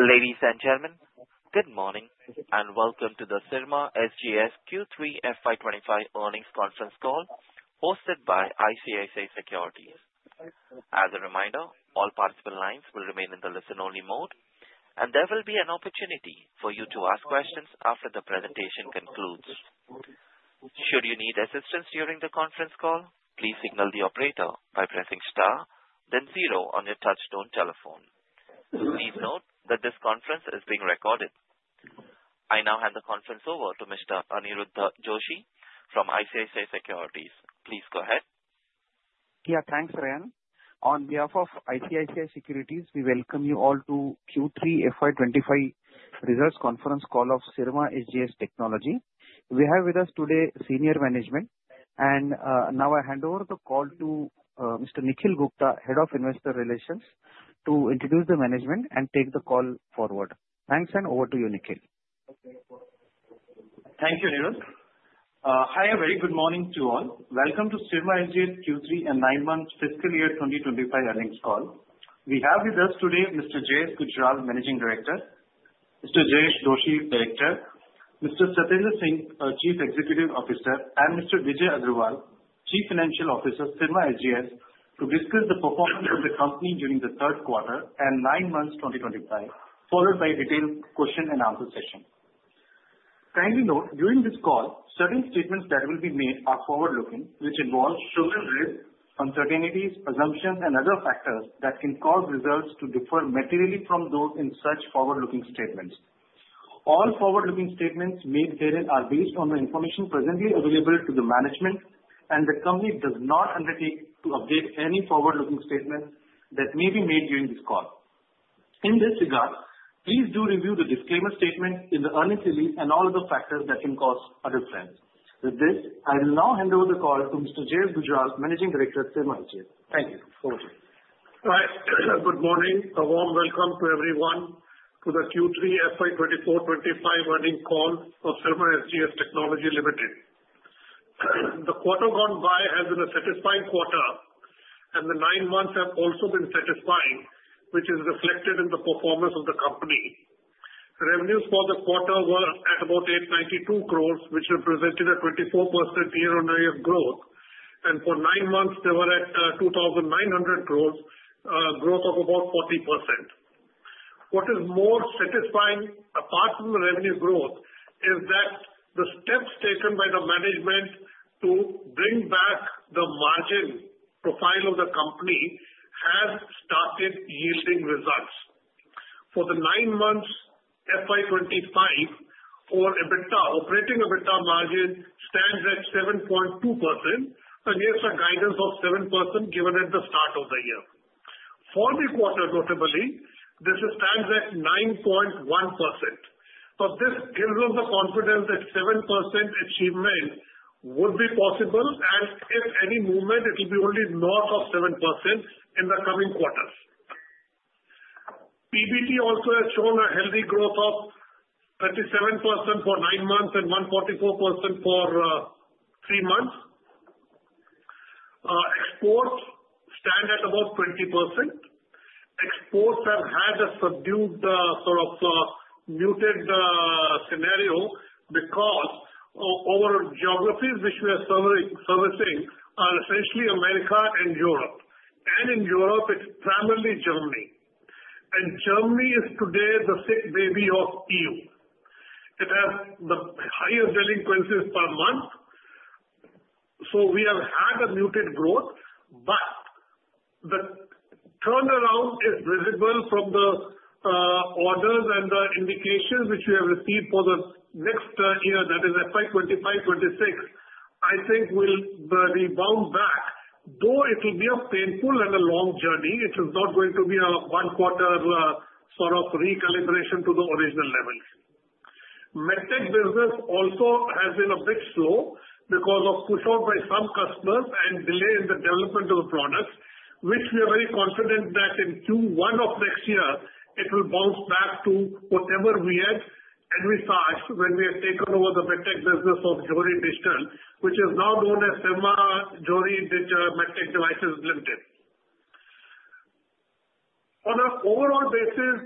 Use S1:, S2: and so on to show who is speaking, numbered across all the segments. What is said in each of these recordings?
S1: Ladies and gentlemen, good morning and welcome to the Syrma SGS Q3 FY25 earnings conference call hosted by ICICI Securities. As a reminder, all participant lines will remain in the listen-only mode, and there will be an opportunity for you to ask questions after the presentation concludes. Should you need assistance during the conference call, please signal the operator by pressing star, then zero on your touch-tone telephone. Please note that this conference is being recorded. I now hand the conference over to Mr. Aniruddha Joshi from ICICI Securities. Please go ahead.
S2: Yeah, thanks, Ryan. On behalf of ICICI Securities, we welcome you all to Q3 FY25 results conference call of Syrma SGS Technology. We have with us today senior management, and now I hand over the call to Mr. Nikhil Gupta, Head of Investor Relations, to introduce the management and take the call forward. Thanks, and over to you, Nikhil.
S3: Thank you, Aniruddha. Hi, a very good morning to all. Welcome to Syrma SGS Q3 and nine-month fiscal year 2025 earnings call. We have with us today Mr. Jasbir Singh Gujral, Managing Director; Mr. Director; Mr. Satyendra Singh, Chief Executive Officer; and Mr. Bijay Agrawal, Chief Financial Officer of Syrma SGS, to discuss the performance of the company during the third quarter and nine months 2025, followed by a detailed question-and-answer session. Kindly note, during this call, certain statements that will be made are forward-looking, which involves certain risks, uncertainties, presumptions, and other factors that can cause results to differ materially from those in such forward-looking statements. All forward-looking statements made herein are based on the information presently available to the management, and the company does not undertake to update any forward-looking statements that may be made during this call. In this regard, please do review the disclaimer statement in the earnings release and all other factors that can cause a difference. With this, I will now hand over the call to Mr. Jasbir Singh Gujral, Managing Director of Syrma SGS. Thank you. Over to you.
S4: All right. Good morning. A warm welcome to everyone to the Q3 FY24-25 earnings call of Syrma SGS Technology Limited. The quarter gone by has been a satisfying quarter, and the nine months have also been satisfying, which is reflected in the performance of the company. Revenues for the quarter were at about 892 crores, which represented a 24% year-on-year growth, and for nine months, they were at 2,900 crores, a growth of about 40%. What is more satisfying, apart from the revenue growth, is that the steps taken by the management to bring back the margin profile of the company have started yielding results. For the nine months FY25, operating EBITDA margin stands at 7.2% against a guidance of 7% given at the start of the year. For the quarter, notably, this stands at 9.1%. This gives us the confidence that 7% achievement would be possible, and if any movement, it will be only north of 7% in the coming quarters. PBT also has shown a healthy growth of 37% for nine months and 144% for three months. Exports stand at about 20%. Exports have had a subdued sort of muted scenario because our geographies which we are servicing are essentially America and Europe. And in Europe, it's primarily Germany. And Germany is today the sick baby of EU. It has the highest delinquencies per month. So we have had a muted growth, but the turnaround is visible from the orders and the indications which we have received for the next year, that is FY 2025-26. I think it will rebound back, though it will be a painful and a long journey. It is not going to be a one-quarter sort of recalibration to the original levels. MedTech business also has been a bit slow because of push-out by some customers and delay in the development of the products, which we are very confident that in Q1 of next year, it will bounce back to whatever we had and we charged when we had taken over the MedTech business of Johari Digital, which is now known as Syrma Johari MedTech Devices Limited. On an overall basis,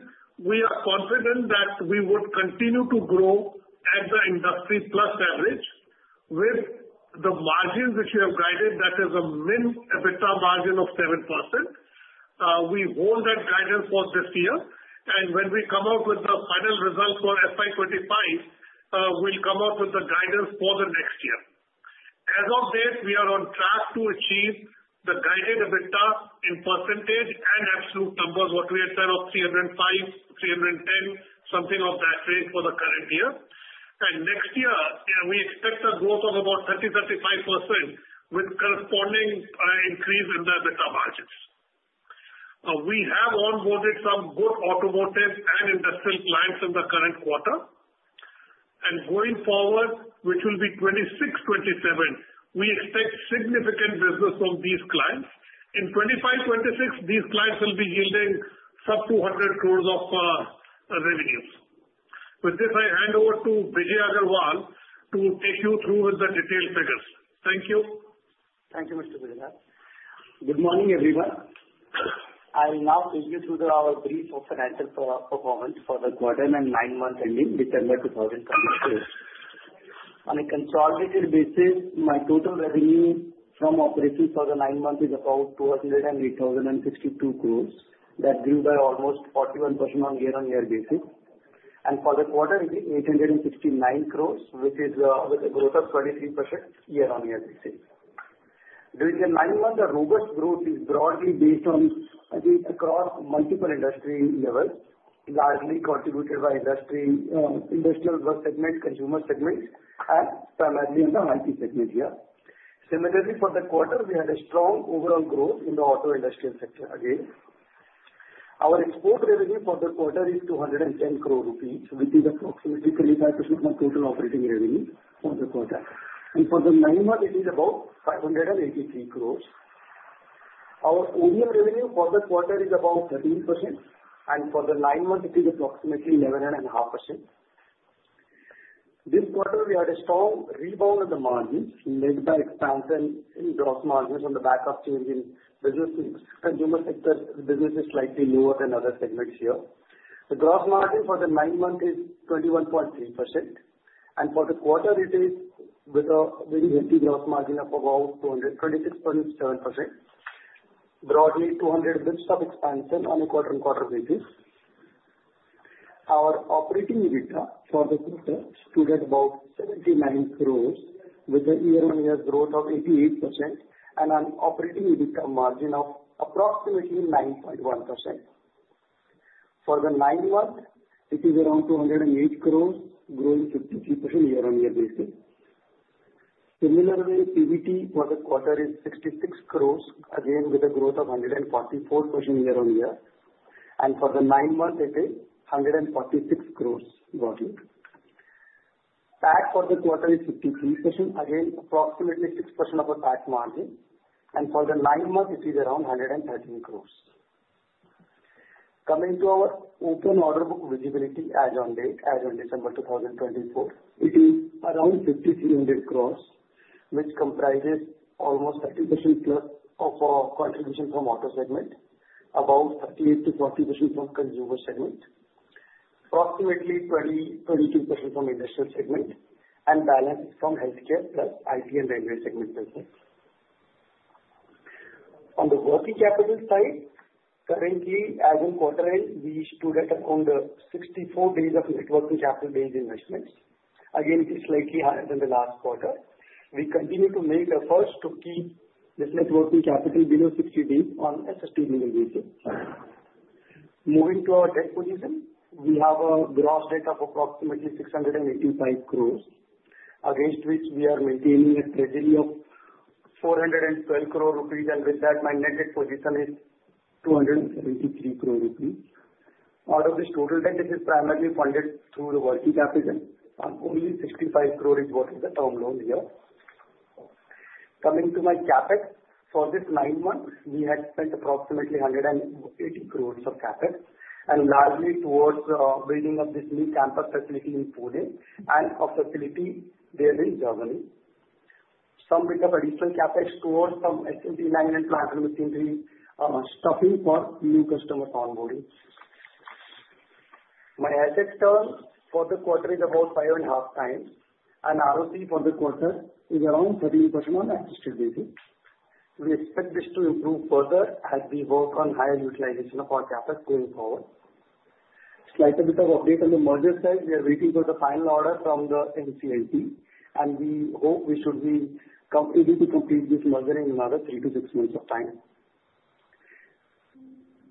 S4: we are confident that we would continue to grow at the industry-plus average with the margins which we have guided, that is a minimum EBITDA margin of 7%. We hold that guidance for this year, and when we come out with the final result for FY25, we'll come out with the guidance for the next year. As of today, we are on track to achieve the guided EBITDA in percentage and absolute numbers, what we had said of 305-310, something of that range for the current year. Next year, we expect a growth of about 30%-35% with corresponding increase in the EBITDA margins. We have onboarded some good automotive and industrial clients in the current quarter. Going forward, which will be 26, 27, we expect significant business from these clients. In 25, 26, these clients will be yielding sub-200 crores of revenues. With this, I hand over to Bijay Agrawal to take you through the detailed figures. Thank you.
S5: Thank you, Mr. Gujral. Good morning, everyone. I'll now take you through our brief of financial performance for the quarter and nine-month ending December 2022. On a consolidated basis, our total revenue from operations for the nine months is about 208,062 crores. That grew by almost 41% on year-on-year basis. For the quarter, it is 869 crores, which is with a growth of 23% year-on-year basis. During the nine months, the robust growth is broadly based on, I think, across multiple industry levels, largely contributed by industrial segment, consumer segments, and primarily in the IT segment here. Similarly, for the quarter, we had a strong overall growth in the auto industrial sector again. Our export revenue for the quarter is 210 crore rupees, which is approximately 25% of our total operating revenue for the quarter. For the nine months, it is about 583 crores. Our OEM revenue for the quarter is about 13%, and for the nine months, it is approximately 11.5%. This quarter, we had a strong rebound in the margins led by expansion in gross margins on the back of changing businesses. Consumer sector business is slightly lower than other segments here. The gross margin for the nine months is 21.3%, and for the quarter, it is with a very healthy gross margin of about 22.67%, broadly 200 basis points of expansion on a quarter-on-quarter basis. Our operating EBITDA for the quarter stood at about 79 crores, with a year-on-year growth of 88% and an operating EBITDA margin of approximately 9.1%. For the nine months, it is around 208 crores, growing 53% year-on-year basis. Similarly, PBT for the quarter is 66 crores, again with a growth of 144% year-on-year. For the nine months, it is 146 crores broadly. PAT for the quarter is 53%, again approximately 6% of a PAT margin. For the nine months, it is around 113 crores. Coming to our open order book visibility as of date, as of December 2024, it is around 5,300 crores, which comprises almost 30% plus of contribution from auto segment, about 38%-40% from consumer segment, approximately 22% from industrial segment, and balance from healthcare plus IT and railway segment business. On the working capital side, currently, as of quarter end, we stood at around 64 days of net working capital-based inventories. Again, it is slightly higher than the last quarter. We continue to make efforts to keep this net working capital below 60 days on a sustainable basis. Moving to our debt position, we have a gross debt of approximately 685 crores, against which we are maintaining a treasury of 412 crore rupees, and with that, our net debt position is 273 crore rupees. Out of this total debt, it is primarily funded through the working capital, and only 65 crore is what is the term loan here. Coming to our CAPEX, for this nine months, we had spent approximately 180 crores of CAPEX, and largely towards building up this new campus facility in Pune and a facility there in Germany. Some bit of additional CAPEX towards some SMT lines and plant machinery setup for new customers onboarding. Our asset turn for the quarter is about five and a half times, and ROCE for the quarter is around 13% on an asset basis. We expect this to improve further as we work on higher utilization of our CAPEX going forward. Slight bit of update on the merger side. We are waiting for the final order from the NCLT, and we hope we should be able to complete this merger in another three to six months of time.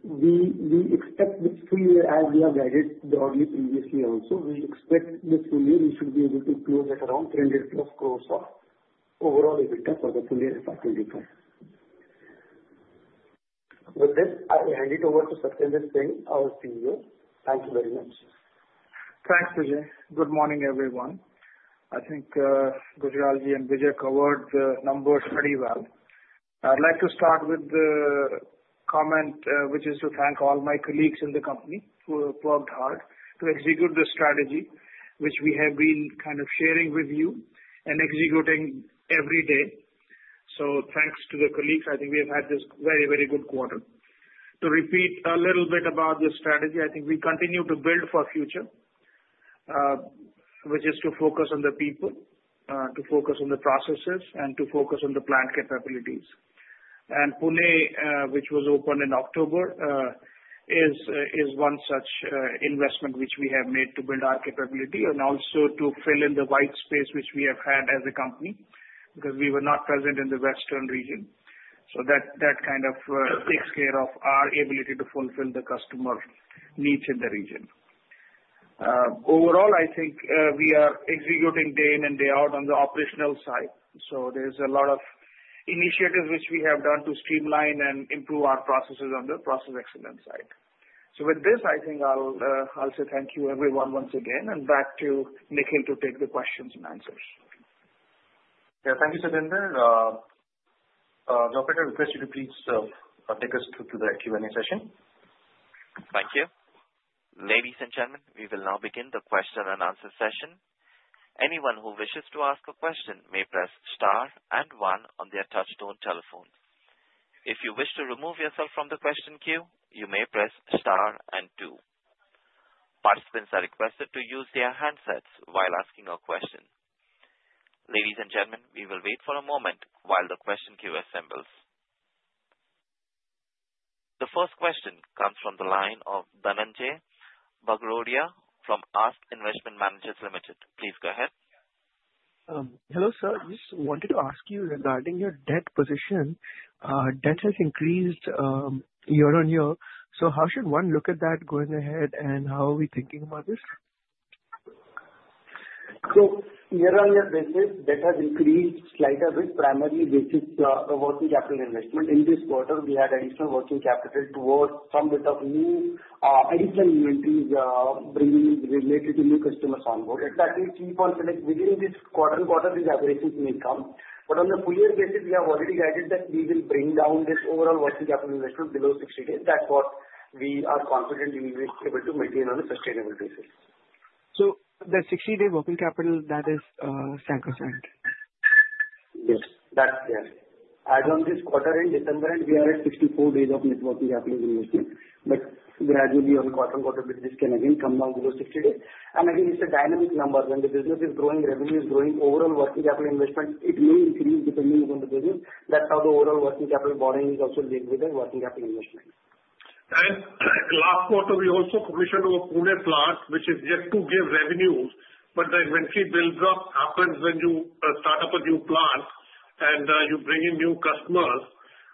S5: We expect this full year, as we have guided broadly previously also, we expect this full year we should be able to close at around 300 plus crores of overall EBITDA for the full year FY25. With this, I hand it over to Satyendra Singh, our CEO. Thank you very much.
S6: Thanks Bijay. Good morning, everyone. I think Gujralji and Bijay covered the numbers pretty well. I'd like to start with the comment, which is to thank all my colleagues in the company who have worked hard to execute the strategy, which we have been kind of sharing with you and executing every day. So thanks to the colleagues, I think we have had this very, very good quarter. To repeat a little bit about the strategy, I think we continue to build for the future, which is to focus on the people, to focus on the processes, and to focus on the plant capabilities, and Pune, which was opened in October, is one such investment which we have made to build our capability and also to fill in the white space which we have had as a company because we were not present in the western region. So that kind of takes care of our ability to fulfill the customer needs in the region. Overall, I think we are executing day in and day out on the operational side. So there's a lot of initiatives which we have done to streamline and improve our processes on the process excellence side. So with this, I think I'll say thank you, everyone, once again, and back to Nikhil to take the questions and answers.
S3: Yeah, thank you, Satyendra. Jayesh Gujral, we'll just ask you to please take us through the Q&A session.
S1: Thank you. Ladies and gentlemen, we will now begin the question and answer session. Anyone who wishes to ask a question may press star and one on their touch-tone telephone. If you wish to remove yourself from the question queue, you may press star and two. Participants are requested to use their handsets while asking a question. Ladies and gentlemen, we will wait for a moment while the question queue assembles. The first question comes from the line of Dhananjay Bagrodia from ASK Investment Managers Limited. Please go ahead.
S7: Hello, sir. Just wanted to ask you regarding your debt position. Debt has increased year on year. So how should one look at that going ahead, and how are we thinking about this?
S5: So, year-on-year basis, debt has increased slightly with primarily basic working capital investment. In this quarter, we had additional working capital towards some bit of new additional inventories related to new customers onboarded. That will keep on within this quarter-on-quarter. These operations may come. But on the full year basis, we have already guided that we will bring down this overall working capital investment below 60 days. That's what we are confident we will be able to maintain on a sustainable basis.
S7: So the 60-day working capital, that is standard?
S5: Yes, that's there. As of this quarter end, December end, we are at 64 days of net working capital investment. But gradually, on quarter-on-quarter basis, this can again come down below 60 days. And again, it's a dynamic number. When the business is growing, revenue is growing, overall working capital investment, it may increase depending upon the business. That's how the overall working capital borrowing is also linked with the working capital investment.
S4: Last quarter, we also commissioned a Pune plant, which is yet to give revenue. The inventory build-up happens when you start up a new plant and you bring in new customers.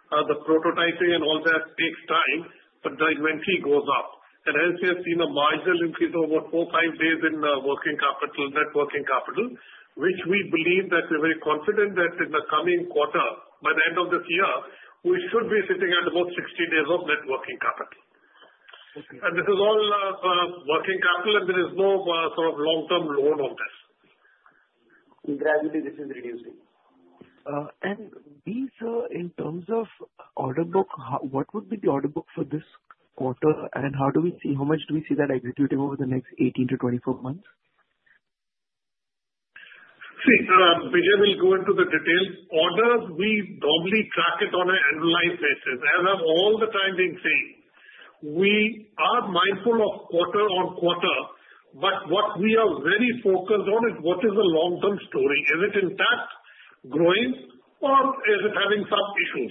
S4: The prototyping and all that takes time, but the inventory goes up. As you have seen, a marginal increase of about four to five days in working capital, net working capital, which we believe that we're very confident that in the coming quarter, by the end of this year, we should be sitting at about 60 days of net working capital. This is all working capital, and there is no sort of long-term loan on this.
S5: Gradually, this is reducing.
S7: Bijay, in terms of order book, what would be the order book for this quarter, and how much do we see that executed over the next 18-24 months?
S8: See, Bijay will go into the details. Orders, we normally track it on an annualized basis. As I've all the time been saying, we are mindful of quarter on quarter, but what we are very focused on is what is the long-term story. Is it intact, growing, or is it having some issues?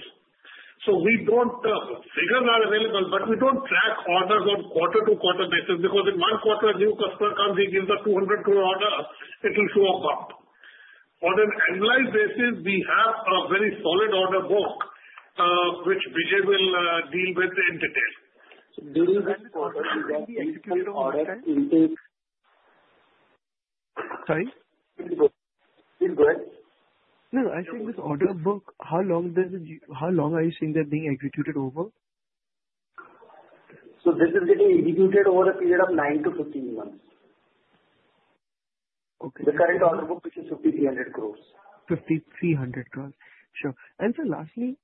S8: So we don't have figures available, but we don't track orders on quarter-to-quarter basis because in one quarter, a new customer comes, he gives a 200 crore order, it will show a bump. On an annualized basis, we have a very solid order book, which Bijay will deal with in detail.
S7: During this quarter, we have executed orders into.
S5: Sorry? Please go ahead.
S7: No, I said this order book, how long are you seeing that being executed over?
S5: So this is getting executed over a period of nine to 15 months. The current order book is 5,300 crores.
S7: 5,300 crores. Sure. And so lastly,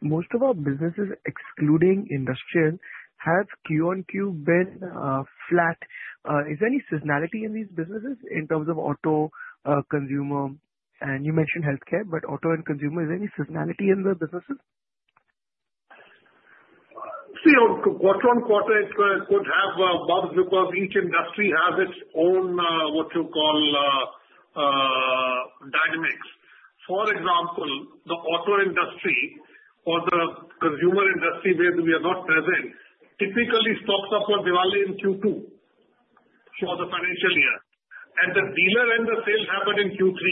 S7: most of our businesses, excluding industrial, have Q on Q been flat. Is there any seasonality in these businesses in terms of auto, consumer, and you mentioned healthcare, but auto and consumer, is there any seasonality in the businesses?
S4: See, quarter on quarter, it could have ups and downs. Each industry has its own what you call dynamics. For example, the auto industry or the consumer industry where we are not present typically stocks up for Diwali in Q2 for the financial year. And the dealer and the sales happen in Q3,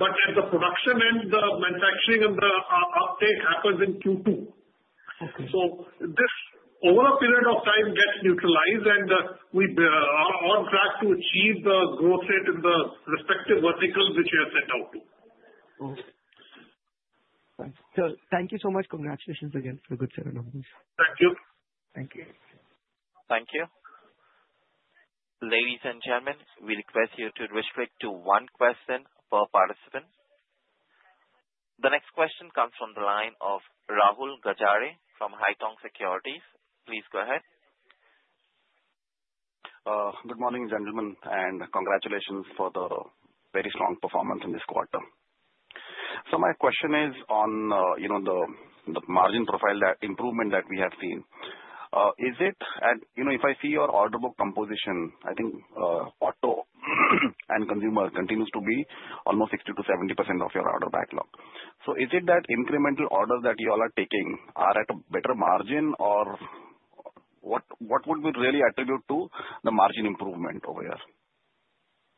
S4: but at the production and the manufacturing and the uptake happens in Q2. So this over a period of time gets neutralized, and we are on track to achieve the growth rate in the respective verticals which we are set out to.
S7: Thank you so much. Congratulations again for a good set of numbers.
S4: Thank you.
S7: Thank you.
S1: Thank you. Ladies and gentlemen, we request you to restrict to one question per participant. The next question comes from the line of Rahul Gajare from Haitong Securities. Please go ahead.
S9: Good morning, gentlemen, and congratulations for the very strong performance in this quarter. So my question is on the margin profile, that improvement that we have seen. Is it, and if I see your order book composition, I think auto and consumer continues to be almost 60%-70% of your order backlog. So is it that incremental orders that you all are taking are at a better margin, or what would we really attribute to the margin improvement over here?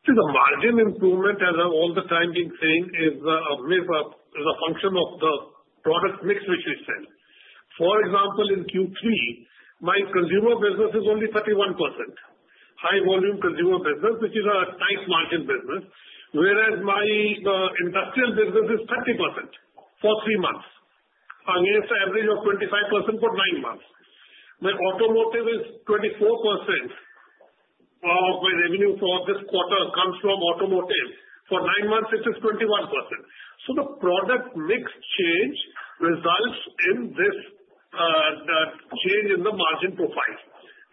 S4: The margin improvement, as I've all the time been saying, is a function of the product mix which we sell. For example, in Q3, my consumer business is only 31%, high-volume consumer business, which is a tight margin business, whereas my industrial business is 30% for three months against the average of 25% for nine months. My automotive is 24% of my revenue for this quarter comes from automotive. For nine months, it is 21%, so the product mix change results in this change in the margin profile,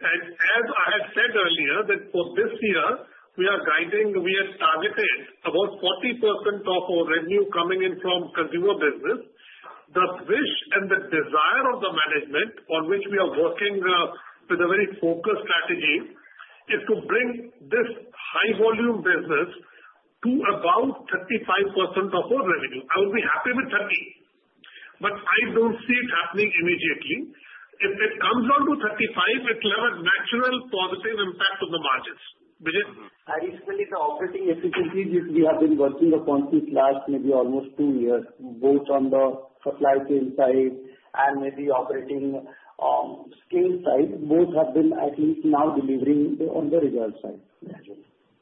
S4: and as I had said earlier, that for this year, we are guiding, we have targeted about 40% of our revenue coming in from consumer business. The wish and the desire of the management on which we are working with a very focused strategy is to bring this high-volume business to about 35% of our revenue. I would be happy with 30, but I don't see it happening immediately. If it comes down to 35, it will have a natural positive impact on the margins.
S5: I recently saw operating efficiencies, which we have been working upon since last maybe almost two years, both on the supply chain side and maybe operating scale side. Both have been at least now delivering on the result side.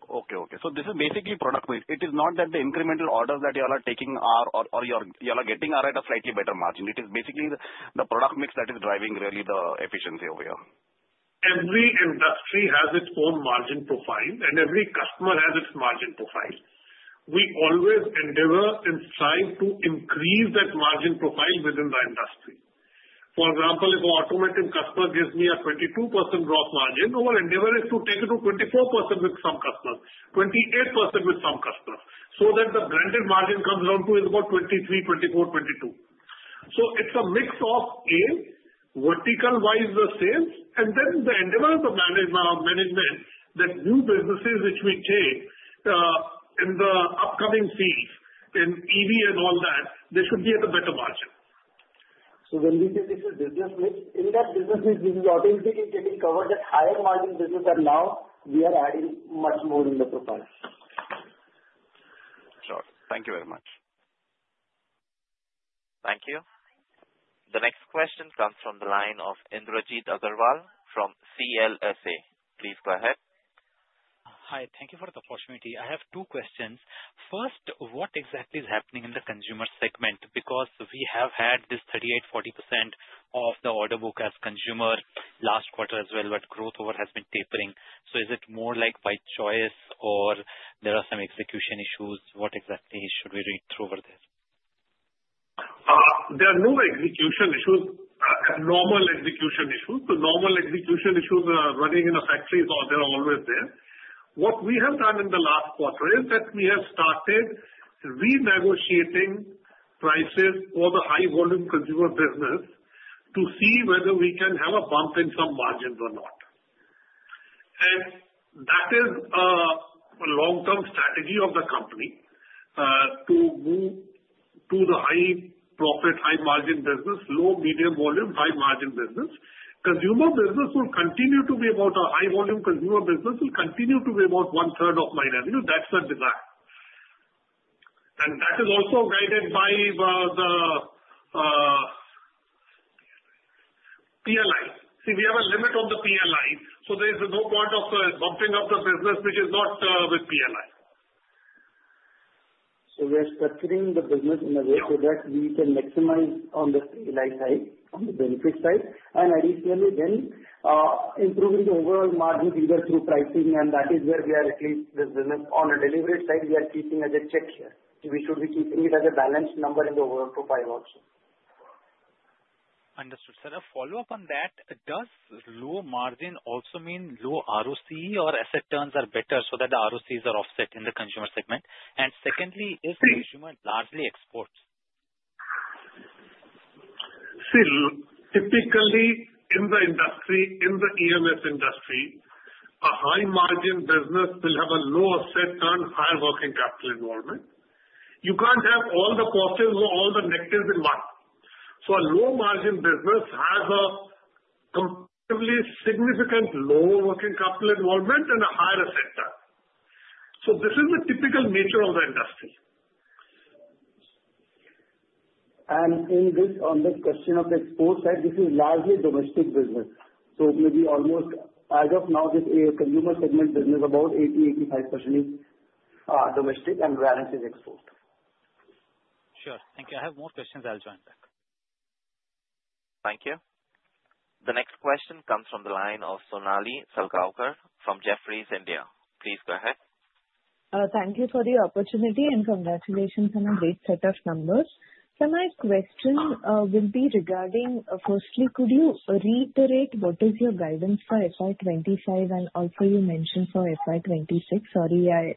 S5: Okay, okay. So this is basically product mix. It is not that the incremental orders that you all are taking or you all are getting are at a slightly better margin. It is basically the product mix that is driving really the efficiency over here.
S4: Every industry has its own margin profile, and every customer has its margin profile. We always endeavor and strive to increase that margin profile within the industry. For example, if an automotive customer gives me a 22% gross margin, our endeavor is to take it to 24% with some customers, 28% with some customers, so that the blended margin comes down to about 23%, 24%, 22%. So it's a mix of a vertical-wise sales, and then the endeavor of the management that new businesses which we take in the upcoming seas in EV and all that, they should be at a better margin.
S5: So when we say this is business mix, in that business mix, we are automatically getting covered at higher margin business, and now we are adding much more in the profile.
S9: Sure. Thank you very much.
S1: Thank you. The next question comes from the line of Indrajit Agarwal from CLSA. Please go ahead.
S10: Hi. Thank you for the opportunity. I have two questions. First, what exactly is happening in the consumer segment? Because we have had this 38%-40% of the order book as consumer last quarter as well, but growth over has been tapering. So is it more like by choice, or there are some execution issues? What exactly should we read through over there?
S4: There are no execution issues. Normal execution issues are running in the factories, or they're always there. What we have done in the last quarter is that we have started renegotiating prices for the high-volume consumer business to see whether we can have a bump in some margins or not. That is a long-term strategy of the company to move to the high-profit, high-margin business, low, medium-volume, high-margin business. Consumer business will continue to be about one-third of my revenue. That's the design. That is also guided by the PLI. See, we have a limit on the PLI, so there is no point of bumping up the business which is not with PLI.
S5: So we are structuring the business in a way so that we can maximize on the PLI side, on the benefit side, and additionally then improving the overall margin either through pricing, and that is where we are at least with business. On the delivery side, we are keeping as a check here. We should be keeping it as a balanced number in the overall profile also.
S10: Understood. Sir, a follow-up on that, does low margin also mean low ROC or asset turns are better so that the ROCs are offset in the consumer segment? And secondly, is consumer largely exports?
S4: See, typically in the industry, in the EMS industry, a high-margin business will have a low asset turn, higher working capital involvement. You can't have all the positives or all the negatives in one. So a low-margin business has a comparably significant lower working capital involvement and a higher asset turn. So this is the typical nature of the industry.
S5: On this question of export side, this is largely domestic business. Maybe almost as of now, the consumer segment business, about 80%-85% is domestic, and the rest is export.
S10: Sure. Thank you. I have more questions. I'll join back.
S1: Thank you. The next question comes from the line of Sonali Salgaonkar from Jefferies, India. Please go ahead.
S11: Thank you for the opportunity and congratulations on a great set of numbers. So my question will be regarding firstly, could you reiterate what is your guidance for FY 25? And also, you mentioned for FY 26, sorry, I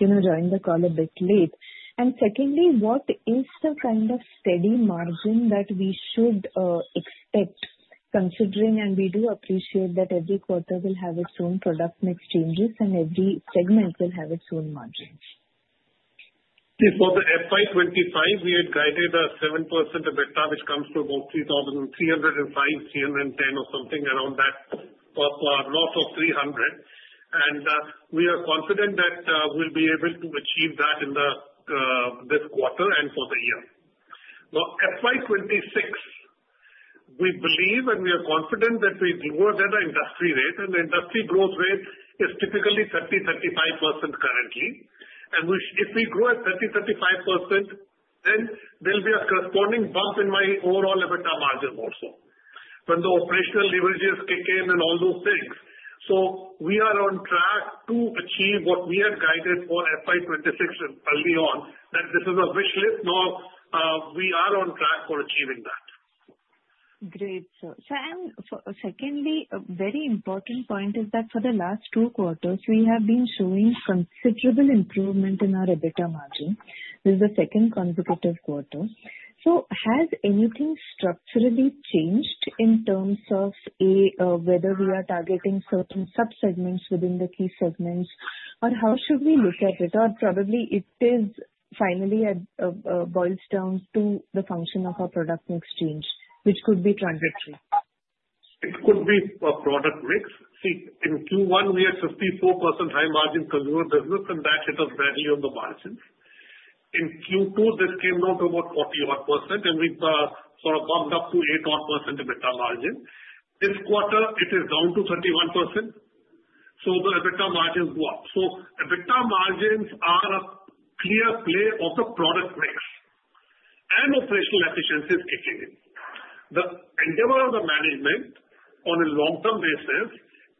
S11: joined the call a bit late. And secondly, what is the kind of steady margin that we should expect considering, and we do appreciate that every quarter will have its own product mix changes, and every segment will have its own margins?
S4: Yes. For the FY 25, we had guided a 7% EBITDA, which comes to about 3,305 to 3,310 or something around that, north of 300. We are confident that we'll be able to achieve that in this quarter and for the year. Now, FY 26, we believe and we are confident that we'll grow at an industry rate, and the industry growth rate is typically 30-35% currently. If we grow at 30-35%, then there'll be a corresponding bump in my overall EBITDA margin also when the operational leverages kick in and all those things. We are on track to achieve what we had guided for FY 26 early on, that this is a wish list. We are on track for achieving that.
S11: Great. So, secondly, a very important point is that for the last two quarters, we have been showing considerable improvement in our EBITDA margin. This is the second consecutive quarter. So has anything structurally changed in terms of whether we are targeting certain subsegments within the key segments, or how should we look at it? Or probably it finally boils down to the function of our product mix change, which could be transitory.
S4: It could be a product mix. See, in Q1, we had 54% high-margin consumer business, and that hit us badly on the margins. In Q2, that came down to about 41%, and we sort of bumped up to 81% EBITDA margin. This quarter, it is down to 31%. So the EBITDA margins go up. So EBITDA margins are a clear play of the product mix, and operational efficiency is kicking in. The endeavor of the management on a long-term basis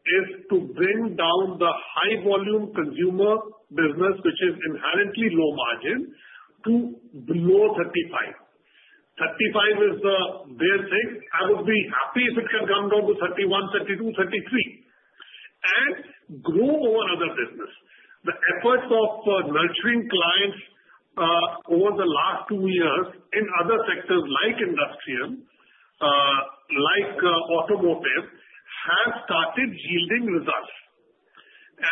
S4: is to bring down the high-volume consumer business, which is inherently low margin, to below 35. 35 is the bare thing. I would be happy if it can come down to 31, 32, 33 and grow over other business. The efforts of nurturing clients over the last two years in other sectors like industrial, like automotive, have started yielding results.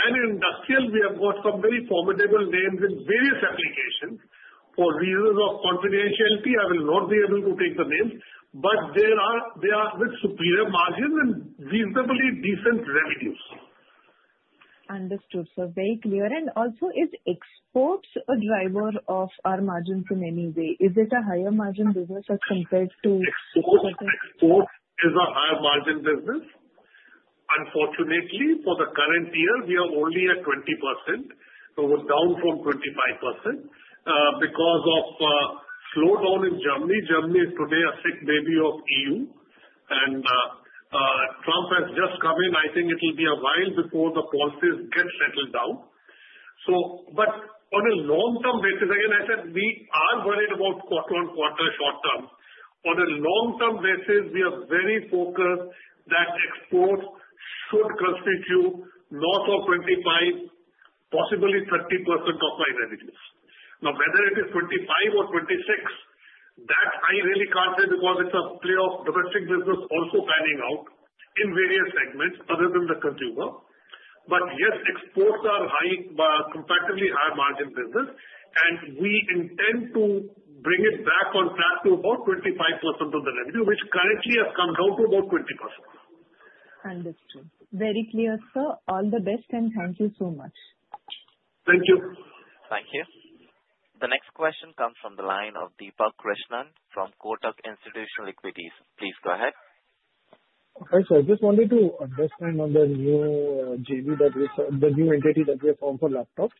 S5: In industrial, we have got some very formidable names in various applications. For reasons of confidentiality, I will not be able to take the names, but they are with superior margins and reasonably decent revenues.
S11: Understood. So very clear. And also, is exports a driver of our margins in any way? Is it a higher margin business as compared to?
S4: Export is a higher margin business. Unfortunately, for the current year, we are only at 20%. So we're down from 25% because of slowdown in Germany. Germany is today a sick baby of EU, and Trump has just come in. I think it'll be a while before the policies get settled down. But on a long-term basis, again, I said we are worried about quarter-on-quarter short-term. On a long-term basis, we are very focused that exports should constitute north of 25, possibly 30% of my revenues. Now, whether it is 25 or 26, that I really can't say because it's a play of domestic business also panning out in various segments other than the consumer. But yes, exports are comparatively high-margin business, and we intend to bring it back on track to about 25% of the revenue, which currently has come down to about 20%.
S11: Understood. Very clear, sir. All the best, and thank you so much.
S4: Thank you.
S1: Thank you. The next question comes from the line of Deepak Krishnan from Kotak Institutional Equities. Please go ahead.
S12: Hi, sir. Just wanted to understand on the new entity that we have formed for laptops,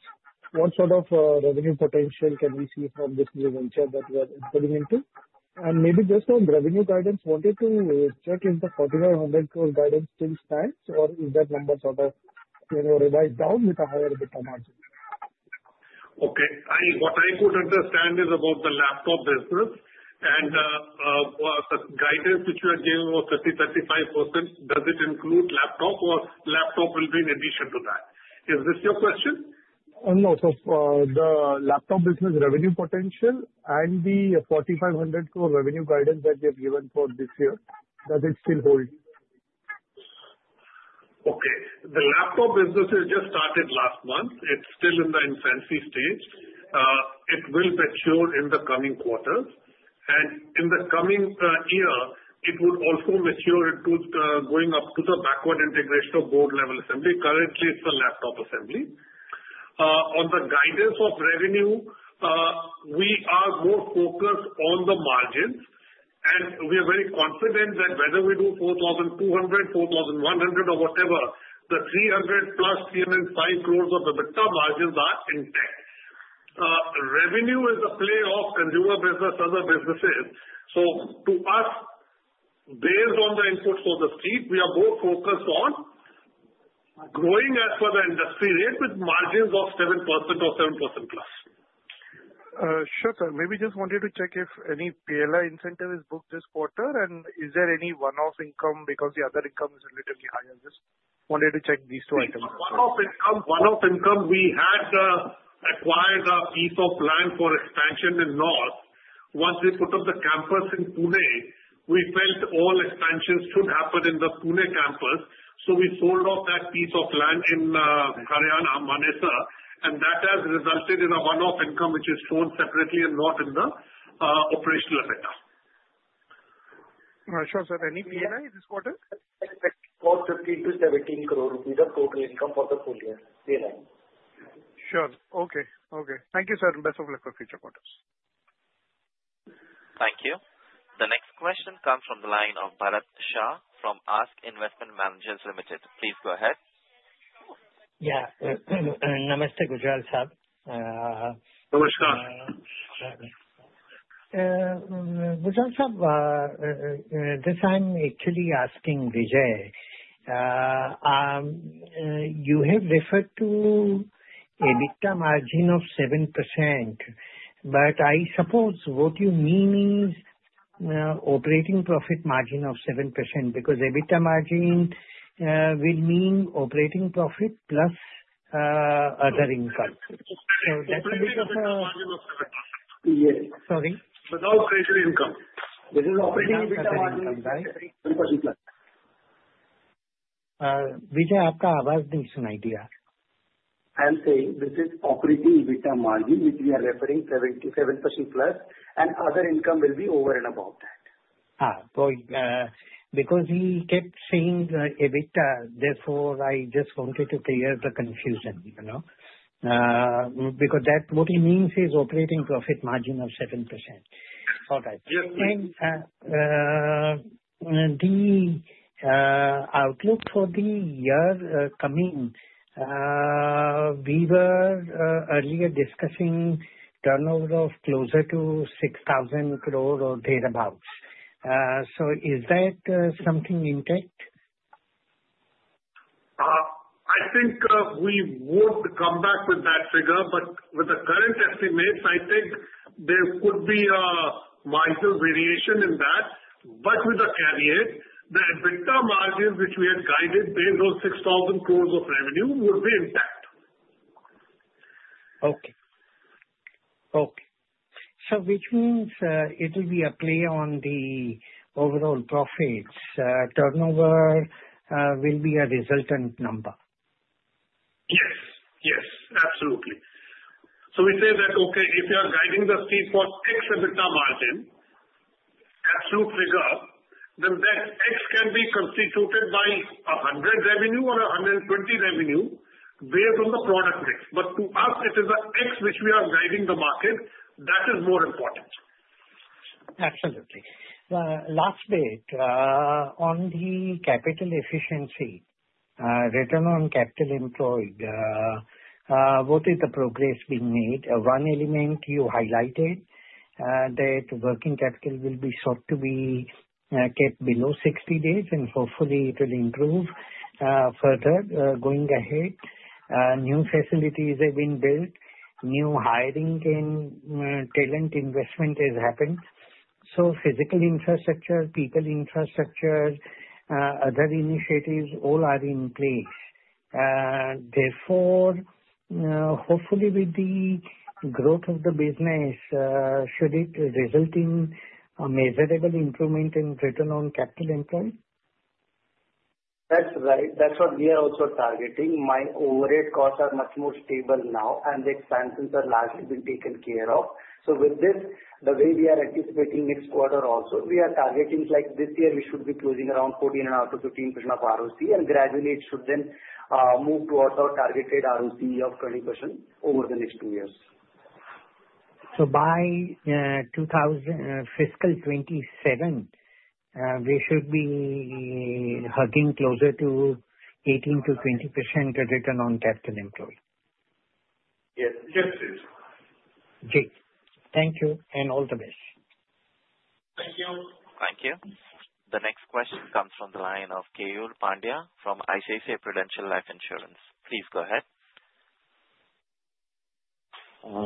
S12: what sort of revenue potential can we see from this new venture that we are entering into? And maybe just on revenue guidance, wanted to check if the 4,500 crore guidance still stands, or is that number sort of revised down with a higher EBITDA margin?
S4: Okay. What I could understand is about the laptop business, and the guidance which you are giving of 30%-35%, does it include laptop, or laptop will be in addition to that? Is this your question?
S12: No. So the laptop business revenue potential and the 4,500 crore revenue guidance that we have given for this year, does it still hold?
S4: Okay. The laptop business has just started last month. It's still in the infancy stage. It will mature in the coming quarters, and in the coming year, it would also mature into going up to the backward integration of board-level assembly. Currently, it's a laptop assembly. On the guidance of revenue, we are more focused on the margins, and we are very confident that whether we do 4,200, 4,100, or whatever, the 300 plus 305 crores of EBITDA margins are intact. Revenue is a play of consumer business, other businesses, so to us, based on the inputs of the street, we are more focused on growing at the industry rate with margins of 7% or 7% plus.
S12: Sure, sir. Maybe just wanted to check if any PLI incentive is booked this quarter, and is there any one-off income because the other income is relatively higher? Just wanted to check these two items.
S4: One-off income. One-off income. We had acquired a piece of land for expansion in the north. Once we put up the campus in Pune, we felt all expansions should happen in the Pune campus. So we sold off that piece of land in Haryana, Manesar, and that has resulted in a one-off income which is shown separately and not in the operational EBITDA.
S12: All right. Sure, sir. Any PLI this quarter? About ₹15-17 crore rupees of total income for the PLI. Sure. Okay. Okay. Thank you, sir, and best of luck for future quarters.
S1: Thank you. The next question comes from the line of Bharat Shah from ASK Investment Managers. Please go ahead.
S13: Yeah. Namaste, Gujral, sir.
S4: Namaste.
S13: Gujral, sir, this, I'm actually asking Bijay. You have referred to EBITDA margin of 7%, but I suppose what you mean is operating profit margin of 7% because EBITDA margin will mean operating profit plus other income. So that's a bit of a.
S5: Yes.
S13: Sorry?
S4: Without operating income.
S13: This is operating EBITDA margin, right? 7% plus. Bijay, आपका आवाज नहीं सुनाई दिया. [Translator] I couldn’t hear your voice.
S5: I am saying this is operating EBITDA margin which we are referring 7% plus, and other income will be over and above that. Ha. Because we kept saying EBITDA, therefore I just wanted to clear the confusion. Because that's what it means is operating profit margin of 7%. All right.
S13: The outlook for the year coming, we were earlier discussing turnover of closer to 6,000 crore or thereabouts, so is that something intact?
S4: I think we would come back with that figure, but with the current estimates, I think there could be a marginal variation in that. But with a caveat, the EBITDA margin which we had guided based on 6,000 crores of revenue would be intact.
S13: Okay. So which means it will be a play on the overall profits. Turnover will be a resultant number.
S4: Yes. Yes. Absolutely. So we say that, okay, if you are guiding the street for X EBITDA margin, absolute figure, then that X can be constituted by 100 revenue or 120 revenue based on the product mix. But to us, it is the X which we are guiding the market. That is more important.
S13: Absolutely. Last bit on the capital efficiency, return on capital employed, what is the progress being made? One element you highlighted that working capital will be sought to be kept below 60 days, and hopefully it will improve further going ahead. New facilities have been built. New hiring and talent investment has happened. So physical infrastructure, people infrastructure, other initiatives, all are in place. Therefore, hopefully with the growth of the business, should it result in a measurable improvement in return on capital employed?
S5: That's right. That's what we are also targeting. My overhead costs are much more stable now, and the expenses are largely being taken care of. So with this, the way we are anticipating next quarter also, we are targeting like this year we should be closing around 14.5%-15% of ROC, and gradually it should then move towards our targeted ROC of 20% over the next two years. By fiscal 2027, we should be hugging closer to 18%-20% return on capital employed.
S4: Yes. Yes, please.
S13: Thanks, thank you, and all the best.
S4: Thank you.
S1: Thank you. The next question comes from the line of Keval Pandya from ICICI Prudential Life Insurance. Please go ahead.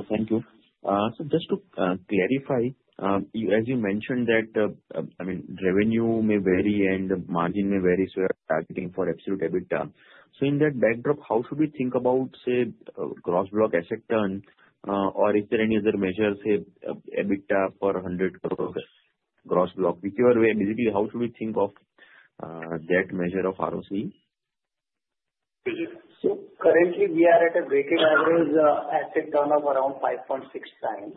S14: Thank you. So just to clarify, as you mentioned that, I mean, revenue may vary and margin may vary, so we are targeting for absolute EBITDA. So in that backdrop, how should we think about, say, gross block asset turn, or is there any other measure, say, EBITDA per 100 crores gross block? Basically, how should we think of that measure of ROC?
S5: Currently, we are at a breakeven average asset turn of around 5.6 times.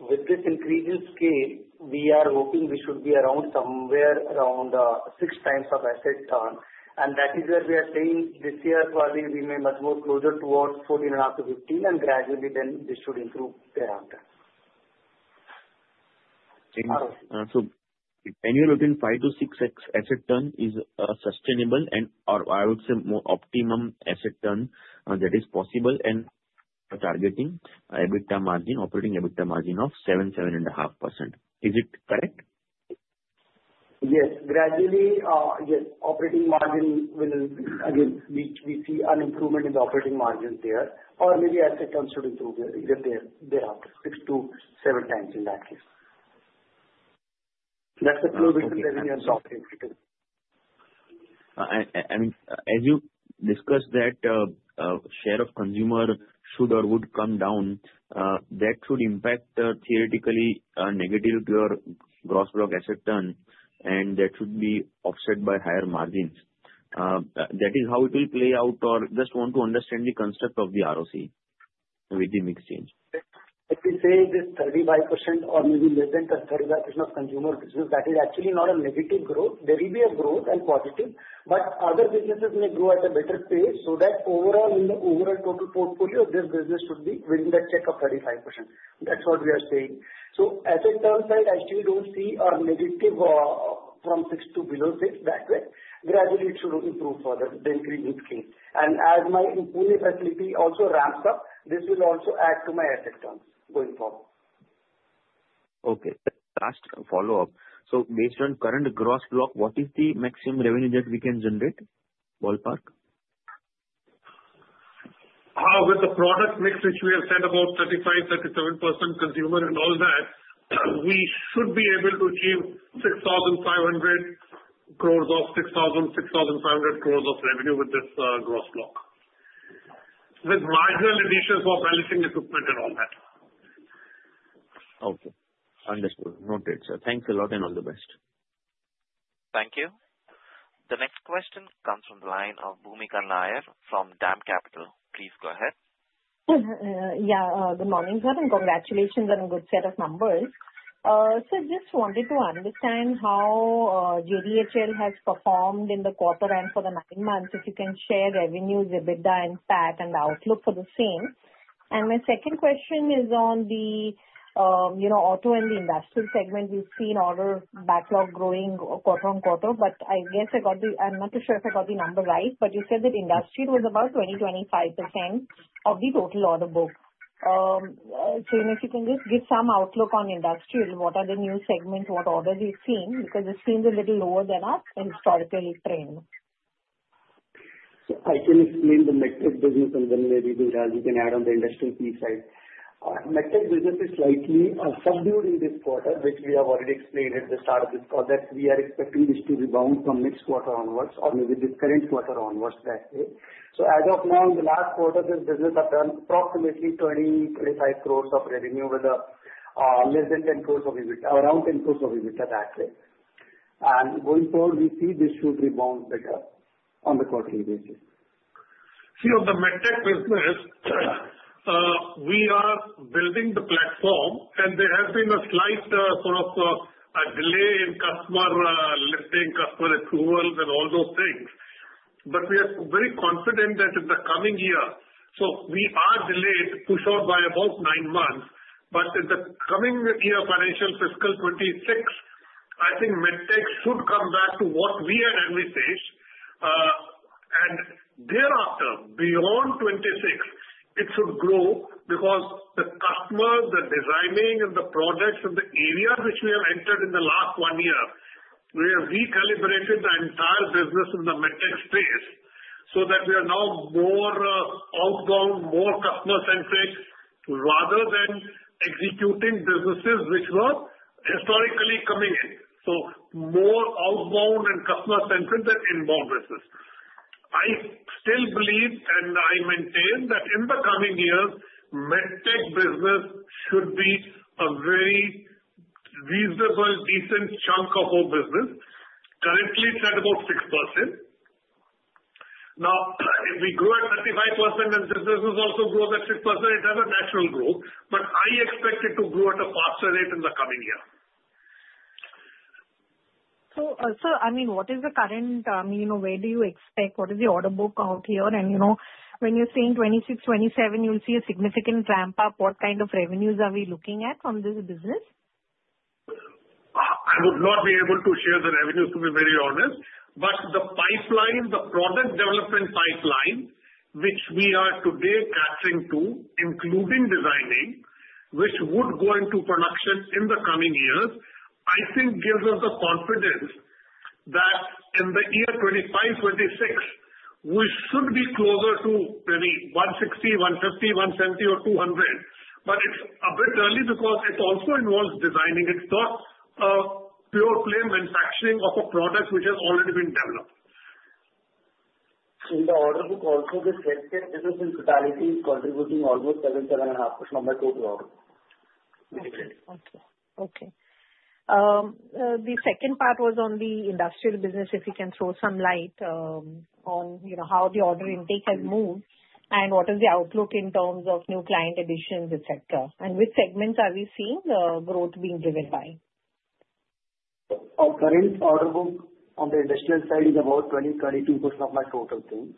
S5: With this increasing scale, we are hoping we should be around somewhere around 6 times of asset turn. That is where we are saying this year probably we may get much closer towards 14.5-15, and gradually then this should improve thereafter.
S14: Anywhere between 5-6x Asset Turn is a sustainable and, or I would say, more optimum Asset Turn that is possible and targeting operating EBITDA margin of 7-7.5%. Is it correct?
S5: Yes. Gradually, yes, operating margin will again, we see an improvement in the operating margin there, or maybe asset turn should improve thereafter, six to seven times in that case. That's the closest revenue and soft inflation.
S14: I mean, as you discussed that share of consumer should or would come down, that should impact theoretically negative gross block asset turn, and that should be offset by higher margins. That is how it will play out, or just want to understand the concept of the ROCE with the mix change?
S5: If we say this 35% or maybe less than 35% of consumer business, that is actually not a negative growth. There will be a growth and positive, but other businesses may grow at a better pace so that overall in the overall total portfolio of this business should be within the check of 35%. That's what we are saying, so asset turn side, I still don't see a negative from 6 to below 6. That way, gradually it should improve further, the increasing scale, and as my Pune facility also ramps up, this will also add to my asset turn going forward.
S14: Okay. Last follow-up. So based on current Gross Block, what is the maximum revenue that we can generate? Ballpark?
S4: With the product mix, which we have said about 35%-37% consumer and all that, we should be able to achieve 6,000-6,500 crores of revenue with this Gross Block, with marginal additions for balancing equipment and all that.
S14: Okay. Understood. Noted. Sir, thanks a lot and all the best.
S1: Thank you. The next question comes from the line of Bhoomika Nair from DAM Capital. Please go ahead.
S15: Yeah. Good morning, sir, and congratulations on a good set of numbers. Sir, just wanted to understand how JDHL has performed in the quarter and for the nine months, if you can share revenues, EBITDA, and PAT, and outlook for the same. My second question is on the auto and the industrial segment. We've seen order backlog growing quarter on quarter, but I guess I got the. I'm not too sure if I got the number right, but you said that industrial was about 20-25% of the total order book. So if you can just give some outlook on industrial, what are the new segments, what orders you've seen? Because it seems a little lower than us in historical trend.
S5: I can explain the medtech business, and then maybe Gujral, you can add on the industrial piece side. Medtech business is slightly subdued in this quarter, which we have already explained at the start of this call, that we are expecting this to rebound from next quarter onwards or maybe this current quarter onwards, let's say. So as of now, in the last quarter, this business has done approximately 20-25 crores of revenue with less than 10 crores of EBITDA, around 10 crores of EBITDA, that way. And going forward, we see this should rebound better on the quarterly basis.
S4: See, on the medtech business, we are building the platform, and there has been a slight sort of delay in customer lifting, customer approvals, and all those things. But we are very confident that in the coming year—so we are delayed, pushed out by about nine months—but in the coming year, financial fiscal 26, I think medtech should come back to what we had advantage. Thereafter, beyond 26, it should grow because the customer, the designing, and the products, and the areas which we have entered in the last one year, we have recalibrated the entire business in the medtech space so that we are now more outbound, more customer-centric rather than executing businesses which were historically coming in. So more outbound and customer-centric than inbound business. I still believe, and I maintain that in the coming years, medtech business should be a very reasonable, decent chunk of our business. Currently, it's at about 6%. Now, if we grow at 35% and this business also grows at 6%, it has a natural growth, but I expect it to grow at a faster rate in the coming year.
S15: I mean, what is the current, I mean, where do you expect? What is the order book out here? And when you're saying 26, 27, you'll see a significant ramp up, what kind of revenues are we looking at from this business?
S4: I would not be able to share the revenues, to be very honest. But the pipeline, the product development pipeline, which we are today capturing too, including designing, which would go into production in the coming years, I think gives us the confidence that in the year 2025, 2026, we should be closer to maybe 160, 150, 170, or 200. But it's a bit early because it also involves designing. It's not pure plain manufacturing of a product which has already been developed.
S5: In the order book, also, this medtech business in totality is contributing almost seven, seven and a half% of my total order.
S15: Okay. Okay. The second part was on the industrial business, if you can throw some light on how the order intake has moved and what is the outlook in terms of new client additions, etc., and which segments are we seeing the growth being driven by?
S5: Current order book on the industrial side is about 20-32% of my total things.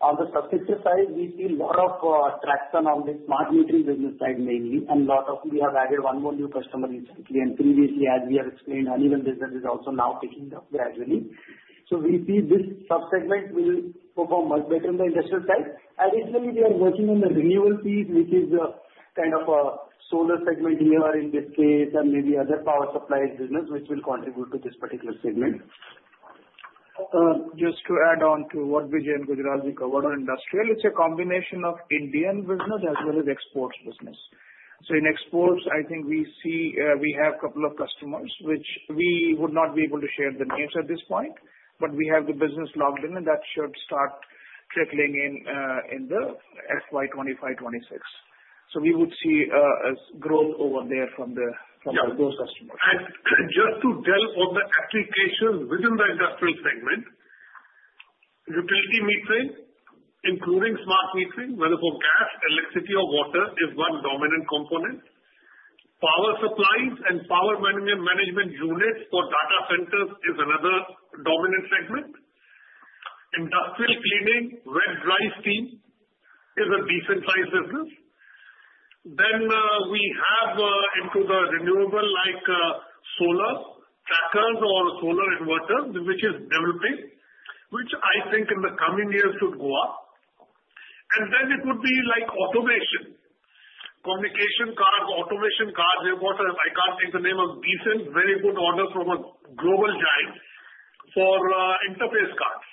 S5: On the subsystem side, we see a lot of traction on the smart metering business side mainly, and a lot of we have added one more new customer recently. Previously, as we have explained, Honeywell business is also now picking up gradually. So we see this subsegment will perform much better on the industrial side. Additionally, we are working on the renewable piece, which is kind of a solar segment here in this case and maybe other power supplies business, which will contribute to this particular segment.
S4: Just to add on to what Bijay and Gujral has been covered on industrial, it's a combination of Indian business as well as exports business. So in exports, I think we see we have a couple of customers, which we would not be able to share the names at this point, but we have the business logged in, and that should start trickling in in the FY 25, 26. So we would see a growth over there from those customers. And just to tell on the applications within the industrial segment, utility metering, including smart metering, whether for gas, electricity, or water, is one dominant component. Power supplies and power management units for data centers is another dominant segment. Industrial cleaning, wet, dry steam is a decent-sized business. Then we have in the renewables like solar trackers or solar inverters, which is developing, which I think in the coming years should go up. And then it would be like automation, communication cards, automation cards. I can't think of the name of the segment, very good order from a global giant for interface cards.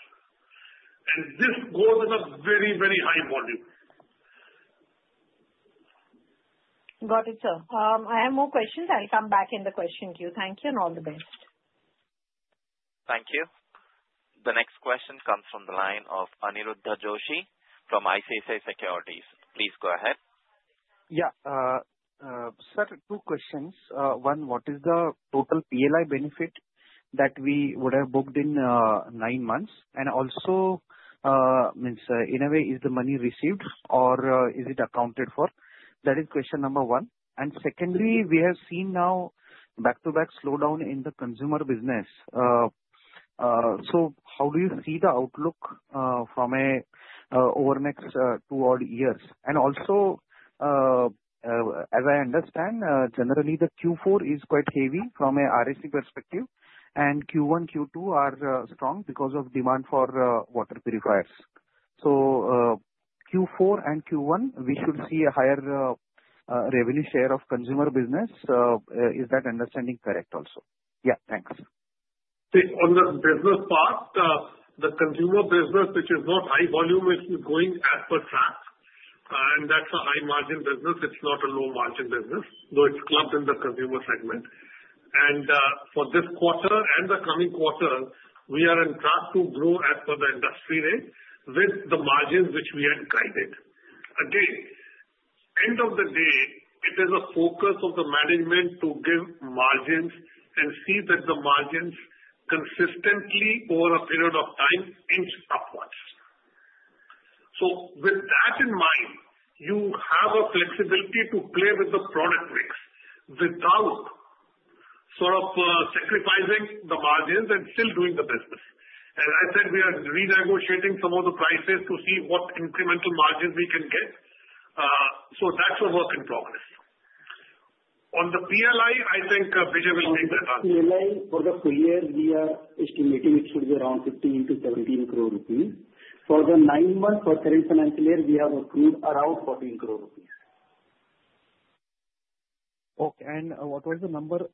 S4: And this goes in a very, very high volume.
S15: Got it, sir. I have more questions. I'll come back in the question queue. Thank you and all the best.
S1: Thank you. The next question comes from the line of Aniruddha Joshi from ICICI Securities. Please go ahead.
S2: Yeah. Sir, two questions. One, what is the total PLI benefit that we would have booked in nine months? and also, in a way, is the money received or is it accounted for? That is question number one. and secondly, we have seen now back-to-back slowdown in the consumer business, so how do you see the outlook from over the next two or three years? and also, as I understand, generally, the Q4 is quite heavy from an RSC perspective, and Q1, Q2 are strong because of demand for water purifiers, so Q4 and Q1, we should see a higher revenue share of consumer business. Is that understanding correct also? Yeah, thanks.
S4: On the business part, the consumer business, which is not high volume, is on track, and that's a high-margin business. It's not a low-margin business, though it's clubbed in the consumer segment, and for this quarter and the coming quarter, we are on track to grow as per the industry rate with the margins which we had guided. Again, end of the day, it is a focus of the management to give margins and see that the margins consistently over a period of time inch upwards, so with that in mind, you have a flexibility to play with the product mix without sort of sacrificing the margins and still doing the business. As I said, we are renegotiating some of the prices to see what incremental margins we can get, so that's a work in progress. On the PLI, I think Bijay will make that answer.
S5: PLI for the full year, we are estimating it should be around 15-17 crore rupees. For the nine months, for current financial year, we have accrued around 14 crore rupees.
S2: Okay. And what was the number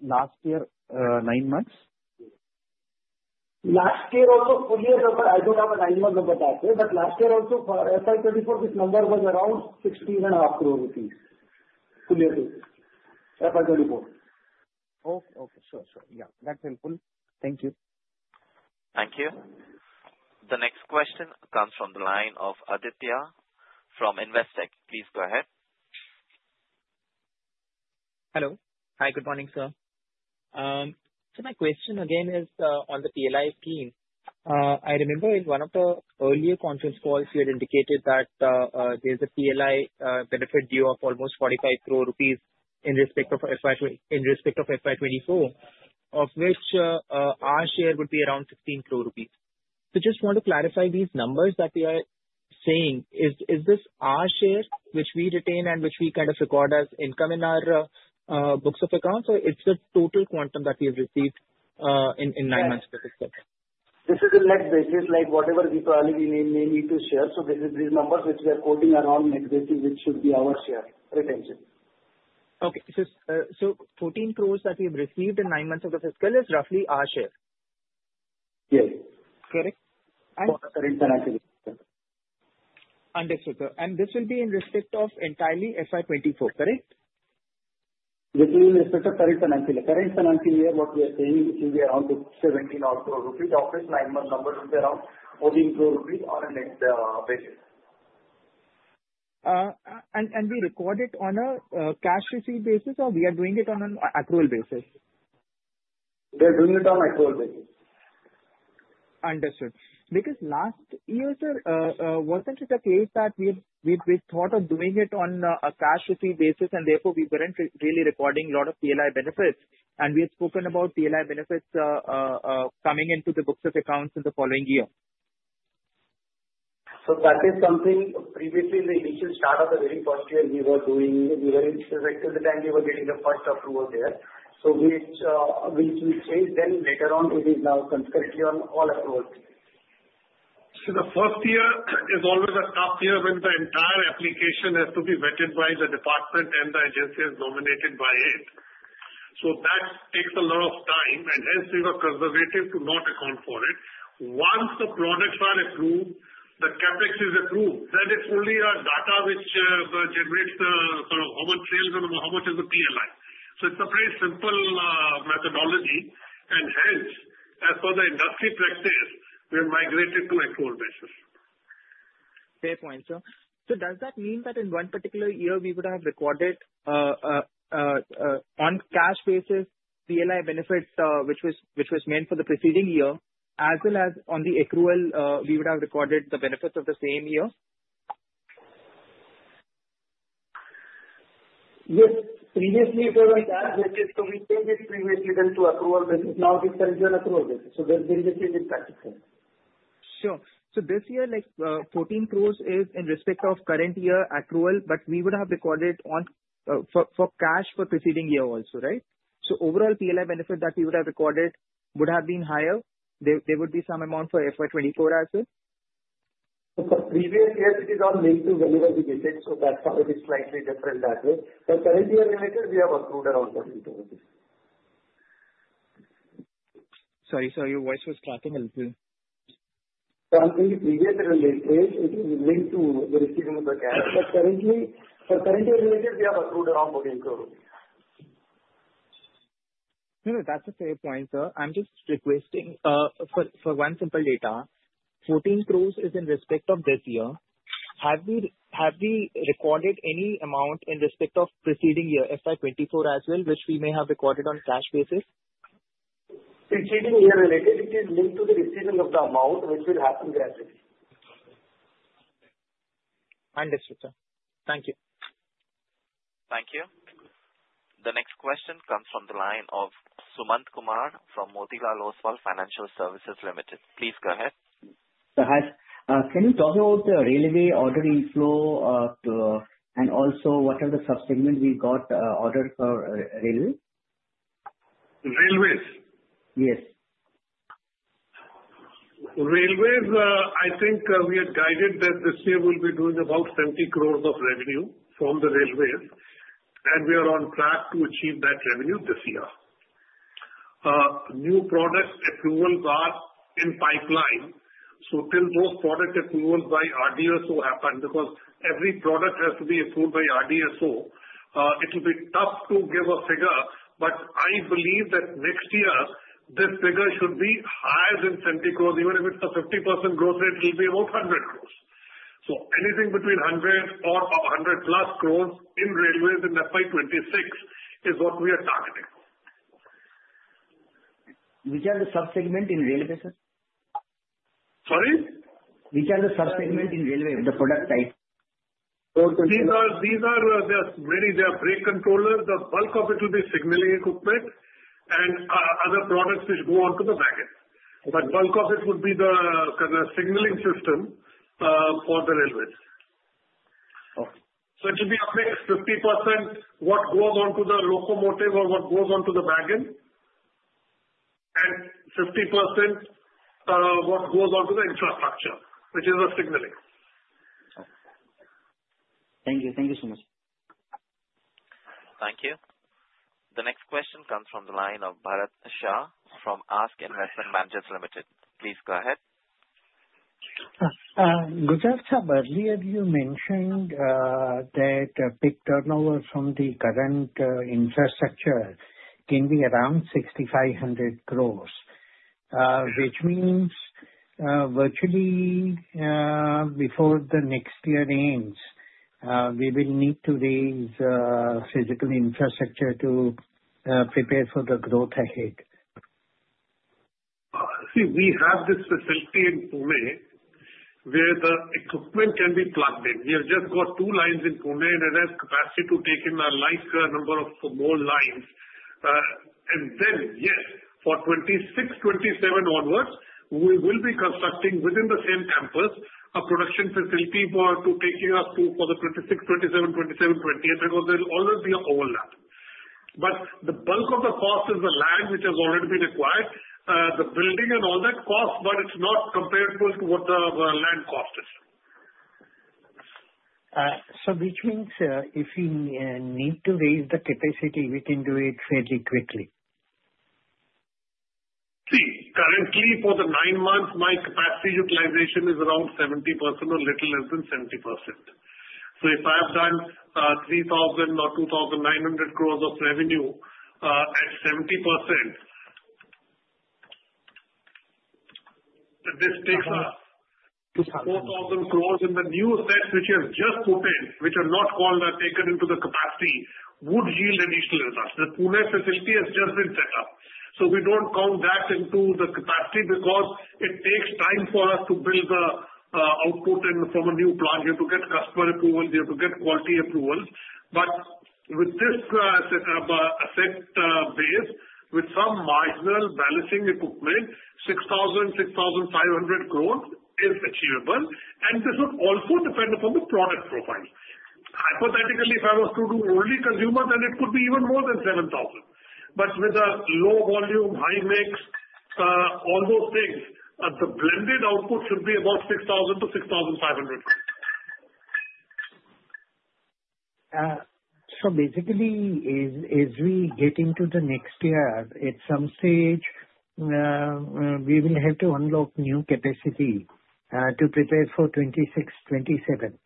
S2: last year, nine months?
S5: Last year also, full year number, I don't have a nine-month number that way, but last year also for FY 2024, this number was around 16.5 crore rupees, full year to FY 2024.
S2: Okay. Okay. Sure. Sure. Yeah. That's helpful. Thank you.
S1: Thank you. The next question comes from the line of Aditya from Investec. Please go ahead.
S16: Hello. Hi, good morning, sir. So my question again is on the PLI scheme. I remember in one of the earlier conference calls, you had indicated that there's a PLI benefit due of almost 45 crore rupees in respect of FY 24, of which our share would be around 16 crore rupees. So just want to clarify these numbers that we are saying. Is this our share which we retain and which we kind of record as income in our books of accounts? Or it's the total quantum that we have received in nine months of the fiscal?
S5: This is a net basis, like whatever we probably may need to share. So these numbers which we are quoting around net basis, which should be our share retention.
S16: Okay. So ₹14 crores that we have received in nine months of the fiscal is roughly our share?
S5: Yes.
S16: Correct? And.
S5: For the current financial year.
S16: Understood, sir. And this will be in respect of entirely FY 24, correct?
S5: This will be in respect of current financial year. Current financial year, what we are saying, it will be around 17 or so. Of which nine-month numbers will be around 14 crore rupees on a net basis.
S16: We record it on a cash receipt basis, or we are doing it on an accrual basis?
S5: We are doing it on accrual basis.
S16: Understood. Because last year, sir, wasn't it a case that we thought of doing it on a cash receipt basis, and therefore we weren't really recording a lot of PLI benefits? and we had spoken about PLI benefits coming into the books of accounts in the following year.
S5: So that is something previously, in the initial start of the very first year, we were doing. We were in fact at the time getting the first approval there. So we changed then later on. It is now concurrently on all approvals.
S4: See, the first year is always a tough year when the entire application has to be vetted by the department, and the agency is nominated by it. So that takes a lot of time, and hence we were conservative to not account for it. Once the products are approved, the CAPEX is approved. Then it's only data which generates the sort of how much sales and how much is the PLI. So it's a very simple methodology. And hence, as per the industry practice, we have migrated to accrual basis.
S16: Fair point, sir. So does that mean that in one particular year, we would have recorded on cash basis PLI benefits which was meant for the preceding year, as well as on the accrual, we would have recorded the benefits of the same year?
S5: Yes. Previously, it was on cash basis, so we changed it previously then to accrual basis. Now we've changed it to accrual basis. So there's been a change in practice.
S16: Sure. So this year, 14 crores is in respect of current year accrual, but we would have recorded for cash for preceding year also, right? So overall PLI benefit that we would have recorded would have been higher? There would be some amount for FY 2024, I assume?
S5: For previous years, it is all linked to whenever we get it, so that's why it is slightly different that way. For current year related, we have accrued around 14 crores.
S16: Sorry, sir, your voice was cracking a little.
S5: So, I'm saying previous year related, it is linked to the receiving of the cash. But currently, for current year related, we have accrued around 14 crores rupees.
S16: No, no, that's a fair point, sir. I'm just requesting for one simple data, 14 crores is in respect of this year. Have we recorded any amount in respect of preceding year, FY 2024 as well, which we may have recorded on cash basis?
S5: Preceding year related, it is linked to the receiving of the amount, which will happen gradually.
S16: Understood, sir. Thank you.
S1: Thank you. The next question comes from the line of Sumant Kumar from Motilal Oswal Financial Services Limited. Please go ahead.
S17: Hi. Can you talk about the railway ordering flow and also what are the subsegments we got ordered for railway?
S4: Railways.
S17: Yes.
S4: Railways, I think we had guided that this year we'll be doing about 70 crores of revenue from the railways, and we are on track to achieve that revenue this year. New product approvals are in pipeline, so till those product approvals by RDSO happen because every product has to be approved by RDSO, it'll be tough to give a figure, but I believe that next year, this figure should be higher than 70 crores. Even if it's a 50% growth rate, it'll be about 100 crores. So anything between 100 or 100-plus crores in railways in FY 26 is what we are targeting.
S17: Which are the subsegments in railways, sir?
S4: Sorry?
S17: Which are the subsegments in railways, the product types?
S4: These are the brake controllers. The bulk of it will be signaling equipment and other products which go onto the bogies, but bulk of it would be the signaling system for the railways, so it will be a mix: 50% what goes onto the locomotive or what goes onto the bogies, and 50% what goes onto the infrastructure, which is the signaling.
S17: Thank you. Thank you so much.
S1: Thank you. The next question comes from the line of Bharat Shah from ASK Investment Managers. Please go ahead.
S13: Gujral Sahab, barely have you mentioned that a big turnover from the current infrastructure can be around 6,500 crores, which means virtually before the next year ends, we will need to raise physical infrastructure to prepare for the growth ahead.
S4: See, we have this facility in Pune where the equipment can be plugged in. We have just got two lines in Pune, and it has capacity to take in a large number of more lines, and then, yes, for 2026, 2027 onwards, we will be constructing within the same campus a production facility to take care of for the 2026, 2027, 2028 because there will always be an overlap. But the bulk of the cost is the land which has already been acquired, the building and all that cost, but it's not comparable to what the land cost is.
S17: So which means if we need to raise the capacity, we can do it fairly quickly.
S4: See, currently for the nine months, my capacity utilization is around 70% or a little less than 70%. So if I have done 3,000 or 2,900 crores of revenue at 70%, this takes us 4,000 crores in the new assets which we have just put in, which are not called or taken into the capacity, would yield additional results. The Pune facility has just been set up, so we don't count that into the capacity because it takes time for us to build the output from a new plant here to get customer approvals here, to get quality approvals. But with this asset base, with some marginal balancing equipment, 6,000-6,500 crores is achievable, and this would also depend upon the product profile. Hypothetically, if I was to do only consumers, then it could be even more than 7,000. But with a low volume, high mix, all those things, the blended output should be about 6,000-6,500 crores.
S17: So basically, as we get into the next year, at some stage, we will have to unlock new capacity to prepare for 2026, 2027.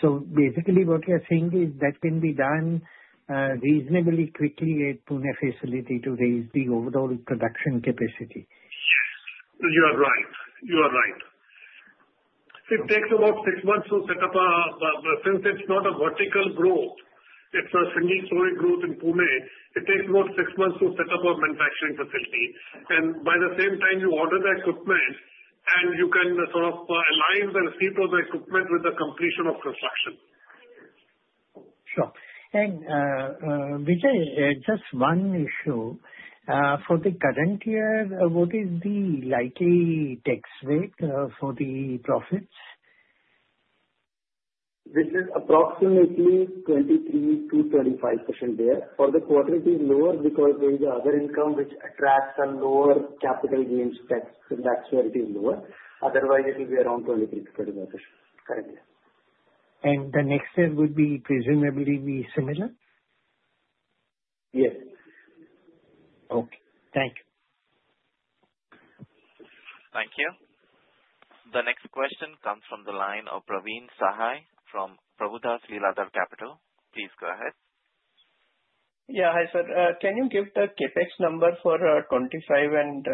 S17: So basically, what we are saying is that can be done reasonably quickly at Pune facility to raise the overall production capacity.
S4: You are right. You are right. It takes about six months to set up, since it's not a vertical growth, it's a single-story growth in Pune. It takes about six months to set up a manufacturing facility, and by the same time, you order the equipment, and you can sort of align the receipt of the equipment with the completion of construction.
S17: Sure. And Bijay, just one issue. For the current year, what is the likely tax rate for the profits?
S5: This is approximately 23%-25% there. For the quarter, it is lower because there is another income which attracts a lower capital gains tax, and that's where it is lower. Otherwise, it will be around 23%-25% currently.
S17: The next year would be presumably similar?
S5: Yes.
S17: Okay. Thank you.
S1: Thank you. The next question comes from the line of Praveen Sahay from Prabhudas Lilladher. Please go ahead.
S18: Yeah. Hi, sir. Can you give the CapEx number for 2025 and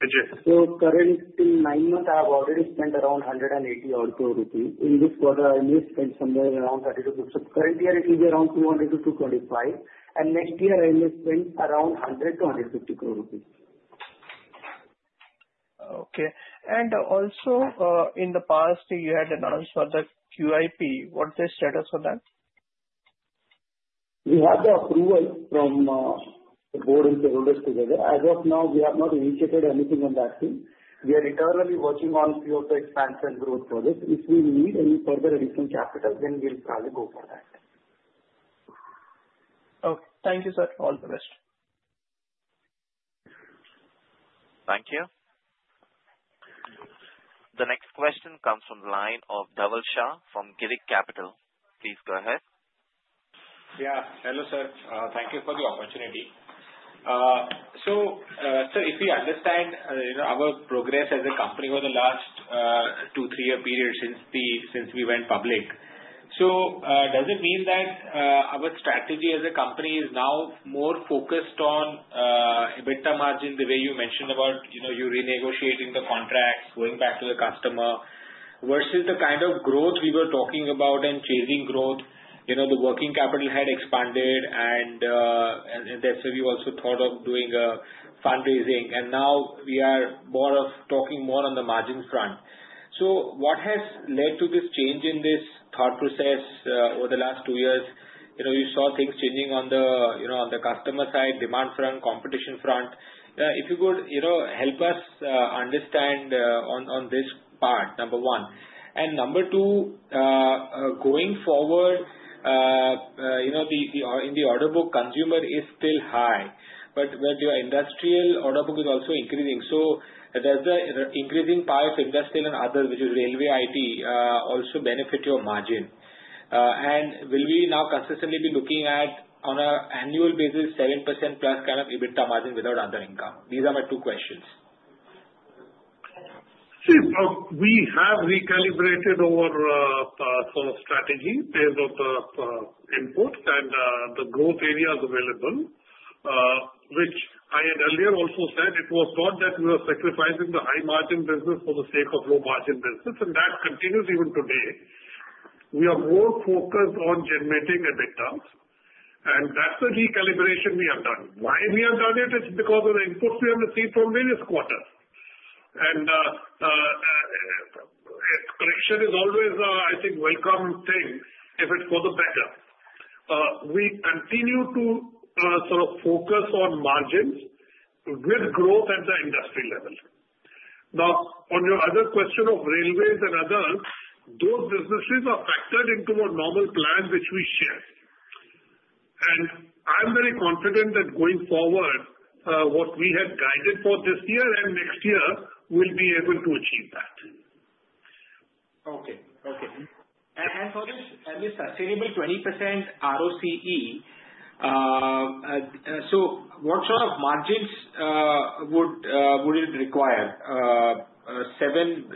S18: 2026?
S4: Currently, in nine months, I have already spent around 180 or so rupees. In this quarter, I may spend somewhere around 30-50. Current year, it will be around 200-225. Next year, I may spend around 100-150 crore rupees.
S18: Okay. And also, in the past, you had announced for the QIP. What's the status of that?
S5: We have the approval from the board and shareholders together. As of now, we have not initiated anything on that team. We are internally working on a few of the expansion growth projects. If we need any further additional capital, then we'll probably go for that.
S18: Okay. Thank you, sir. All the best.
S1: Thank you. The next question comes from the line of Dhaval Shah from Girik Capital. Please go ahead.
S19: Yeah. Hello, sir. Thank you for the opportunity. So, sir, if we understand our progress as a company over the last two, three-year period since we went public, so does it mean that our strategy as a company is now more focused on EBITDA margin the way you mentioned about renegotiating the contracts, going back to the customer, versus the kind of growth we were talking about and chasing growth? The working capital had expanded, and that's why we also thought of doing fundraising. And now we are more of talking more on the margin front. So what has led to this change in this thought process over the last two years? You saw things changing on the customer side, demand front, competition front. If you could help us understand on this part, number one. And number two, going forward, in the order book, consumer is still high, but your industrial order book is also increasing. So does the increasing pile of industrial and others, which is railway IT, also benefit your margin? And will we now consistently be looking at, on an annual basis, 7% plus kind of EBITDA margin without other income? These are my two questions.
S4: See, we have recalibrated our sort of strategy based on the input and the growth areas available, which I had earlier also said. It was thought that we were sacrificing the high-margin business for the sake of low-margin business, and that continues even today. We are more focused on generating EBITDAs, and that's the recalibration we have done. Why we have done it? It's because of the inputs we have received from various quarters, and correction is always, I think, a welcome thing if it's for the better. We continue to sort of focus on margins with growth at the industry level. Now, on your other question of railways and others, those businesses are factored into our normal plan, which we share, and I'm very confident that going forward, what we had guided for this year and next year, we'll be able to achieve that.
S19: Okay. Okay. And for this sustainable 20% ROCE, so what sort of margins would it require? 7%-7.5%?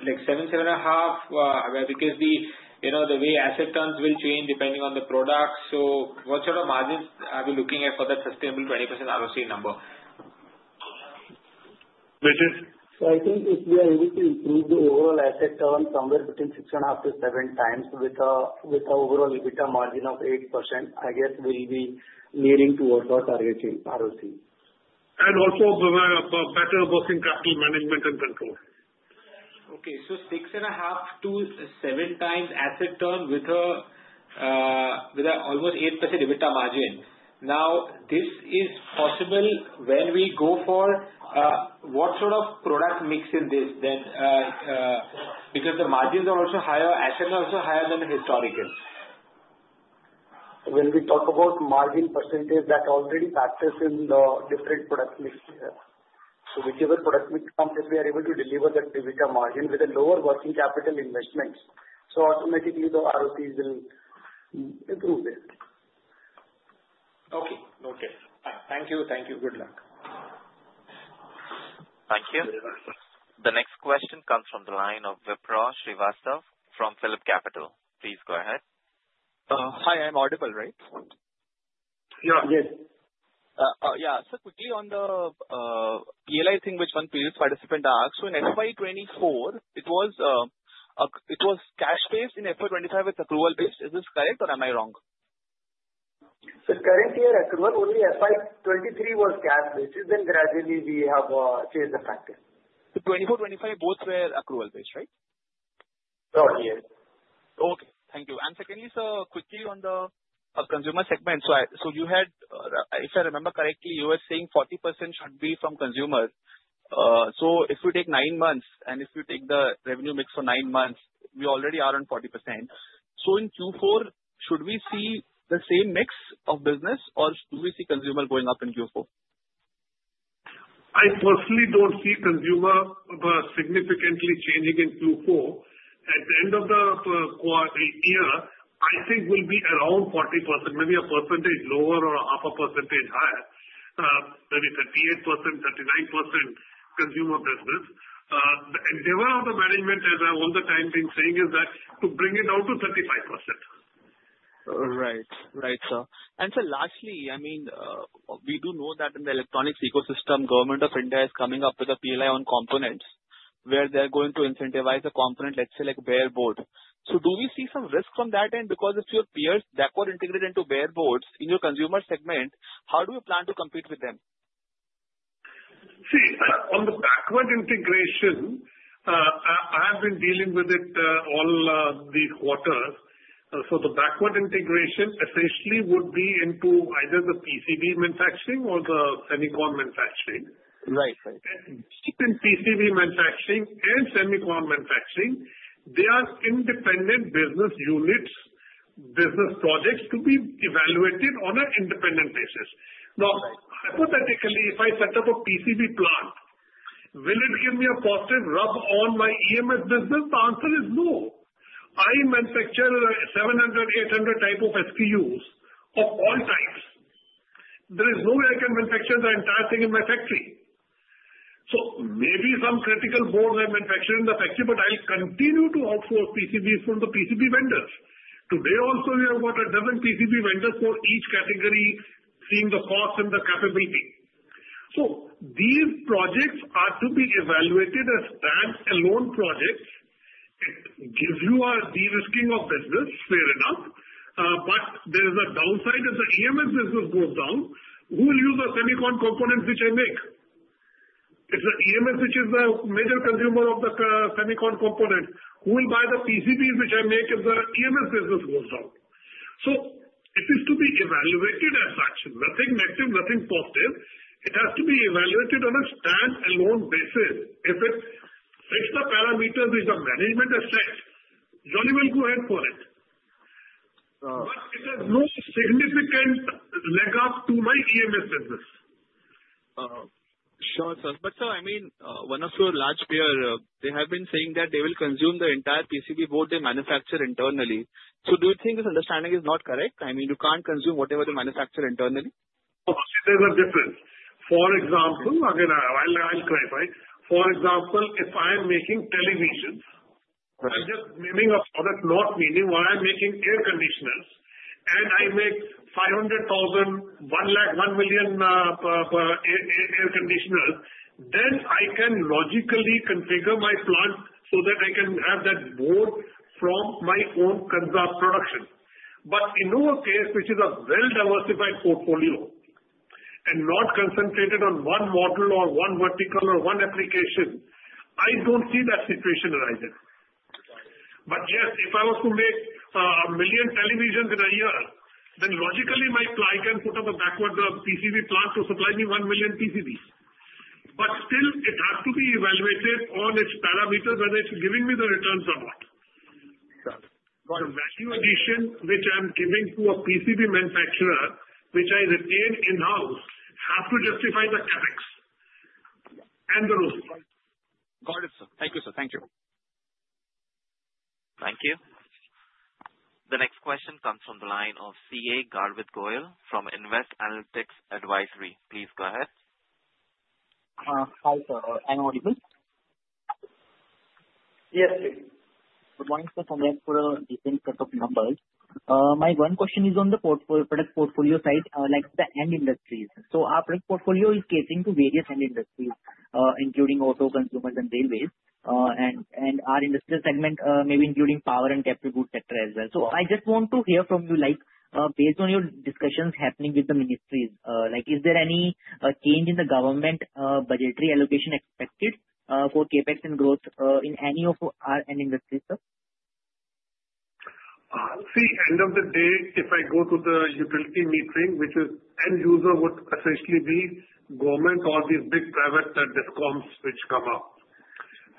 S19: Because the way asset turns will change depending on the products. So what sort of margins are we looking at for that sustainable 20% ROCE number?
S4: Bijay?
S5: So I think if we are able to improve the overall Asset Turn somewhere between 6.5-7 times with an overall EBITDA margin of 8%, I guess we'll be nearing towards our target ROCE.
S4: Also better working capital management and control.
S19: Okay, so 6.5-7 times asset turn with almost 8% EBITDA margin. Now, this is possible when we go for what sort of product mix in this? Because the margins are also higher, assets are also higher than the historical.
S5: When we talk about margin percentage, that already factors in the different product mixes. So whichever product mix comes, if we are able to deliver that EBITDA margin with a lower working capital investment, so automatically the ROCE will improve there.
S19: Okay. Okay. Thank you. Thank you. Good luck.
S1: Thank you. The next question comes from the line of Vipraw Srivastava from PhillipCapital. Please go ahead.
S20: Hi. I'm audible, right?
S5: Yeah. Yes.
S20: Yeah. So quickly on the PLI thing, which one previous participant asked, so in FY 24, it was cash-based. In FY 25, it's accrual-based. Is this correct, or am I wrong?
S5: So current year, accrual-only FY 2023 was cash-based, and then gradually we have changed the factor.
S20: 2024, 2025, both were accrual-based, right?
S5: Correct. Yes.
S20: Okay. Thank you. And secondly, sir, quickly on the consumer segment. So you had, if I remember correctly, you were saying 40% should be from consumers. So if we take nine months and if we take the revenue mix for nine months, we already are on 40%. So in Q4, should we see the same mix of business, or do we see consumer going up in Q4?
S4: I personally don't see consumer significantly changing in Q4. At the end of the year, I think we'll be around 40%, maybe a percentage lower or half a percentage higher, maybe 38%, 39% consumer business. The endeavor of the management, as I've all the time been saying, is that to bring it down to 35%.
S20: Right. Right, sir. And so lastly, I mean, we do know that in the electronics ecosystem, Government of India is coming up with a PLI on components where they're going to incentivize a component, let's say, like a bare board. So do we see some risk from that end? Because if your peers backward integrated into bare boards in your consumer segment, how do you plan to compete with them?
S4: See, on the backward integration, I have been dealing with it all these quarters. The backward integration essentially would be into either the PCB manufacturing or the semiconductor manufacturing.
S20: Right. Right.
S4: And PCB manufacturing and semiconductor manufacturing, they are independent business units, business projects to be evaluated on an independent basis. Now, hypothetically, if I set up a PCB plant, will it give me a positive rub on my EMS business? The answer is no. I manufacture 700, 800 type of SKUs of all types. There is no way I can manufacture the entire thing in my factory. So maybe some critical boards I manufacture in the factory, but I'll continue to outsource PCBs from the PCB vendors. Today, also, we have got a dozen PCB vendors for each category, seeing the cost and the capability. So these projects are to be evaluated as standalone projects. It gives you a de-risking of business, fair enough. But there is a downside if the EMS business goes down. Who will use the semiconductor components which I make? It's the EMS which is the major consumer of the semiconductor components. Who will buy the PCBs which I make if the EMS business goes down? So it is to be evaluated as such. Nothing negative, nothing positive. It has to be evaluated on a standalone basis. If it fits the parameters which the management has set, you only will go ahead for it. But it has no significant leg up to my EMS business.
S20: Sure, sir. But sir, I mean, one of your large peers, they have been saying that they will consume the entire PCB board they manufacture internally. So do you think this understanding is not correct? I mean, you can't consume whatever they manufacture internally?
S4: Procedures are different. For example, again, I'll clarify. For example, if I'm making televisions, I'm just naming a product, not meaning when I'm making air conditioners, and I make 500,000, 1 lakh, 1 million air conditioners, then I can logically configure my plant so that I can have that board from my own production. But in no case, which is a well-diversified portfolio and not concentrated on one model or one vertical or one application, I don't see that situation arising. But yes, if I was to make a million televisions in a year, then logically, my client can put up a backward PCB plant to supply me 1 million PCBs. But still, it has to be evaluated on its parameters, whether it's giving me the returns or not.
S20: Got it. Got it.
S4: The value addition which I'm giving to a PCB manufacturer, which I retain in-house, has to justify the CAPEX and the risk.
S20: Got it, sir. Thank you, sir. Thank you.
S1: Thank you. The next question comes from the line of CA Garvit Goyal from Nvest Analytics. Please go ahead.
S21: Hi, sir. I'm audible?
S5: Yes, sir.
S21: Good morning, sir. So I'm just for a different set of numbers. My one question is on the product portfolio side, like the end industries. So our product portfolio is catering to various end industries, including auto, consumers, and railways. And our industry segment may be including power and capital goods sector as well. So I just want to hear from you, based on your discussions happening with the ministries, is there any change in the government budgetary allocation expected for CapEx and growth in any of our end industries, sir?
S4: See, end of the day, if I go to the utility metering, which is end user, would essentially be government or these big private discoms which come up.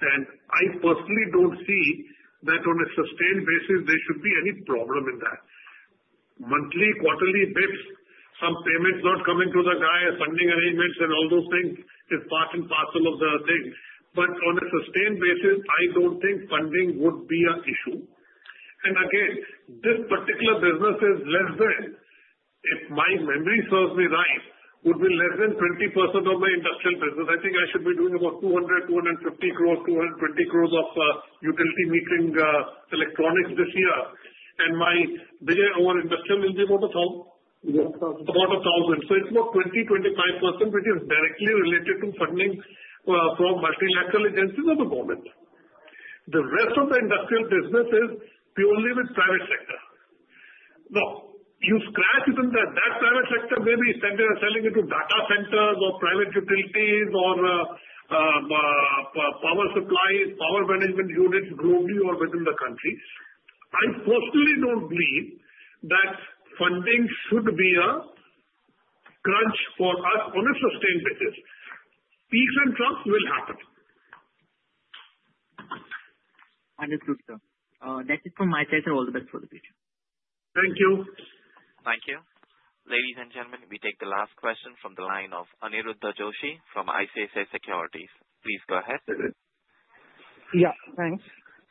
S4: I personally don't see that on a sustained basis, there should be any problem in that. Monthly, quarterly basis points, some payments not coming to the guy, funding arrangements, and all those things is part and parcel of the thing. But on a sustained basis, I don't think funding would be an issue. And again, this particular business is less than, if my memory serves me right, would be less than 20% of my industrial business. I think I should be doing about 200-250 crores, 220 crores of utility metering electronics this year. And our industrial will be about 1,000. About 1,000. So it's about 20-25%, which is directly related to funding from multilateral agencies of the government. The rest of the industrial business is purely with private sector. Now, you scratch even that. That private sector may be selling into data centers or private utilities or power supplies, power management units globally or within the country. I personally don't believe that funding should be a crunch for us on a sustained basis. Peace and trust will happen.
S21: Understood, sir. That's it from my side, sir. All the best for the future.
S4: Thank you.
S1: Thank you. Ladies and gentlemen, we take the last question from the line of Aniruddha Joshi from ICICI Securities. Please go ahead.
S2: Yeah. Thanks.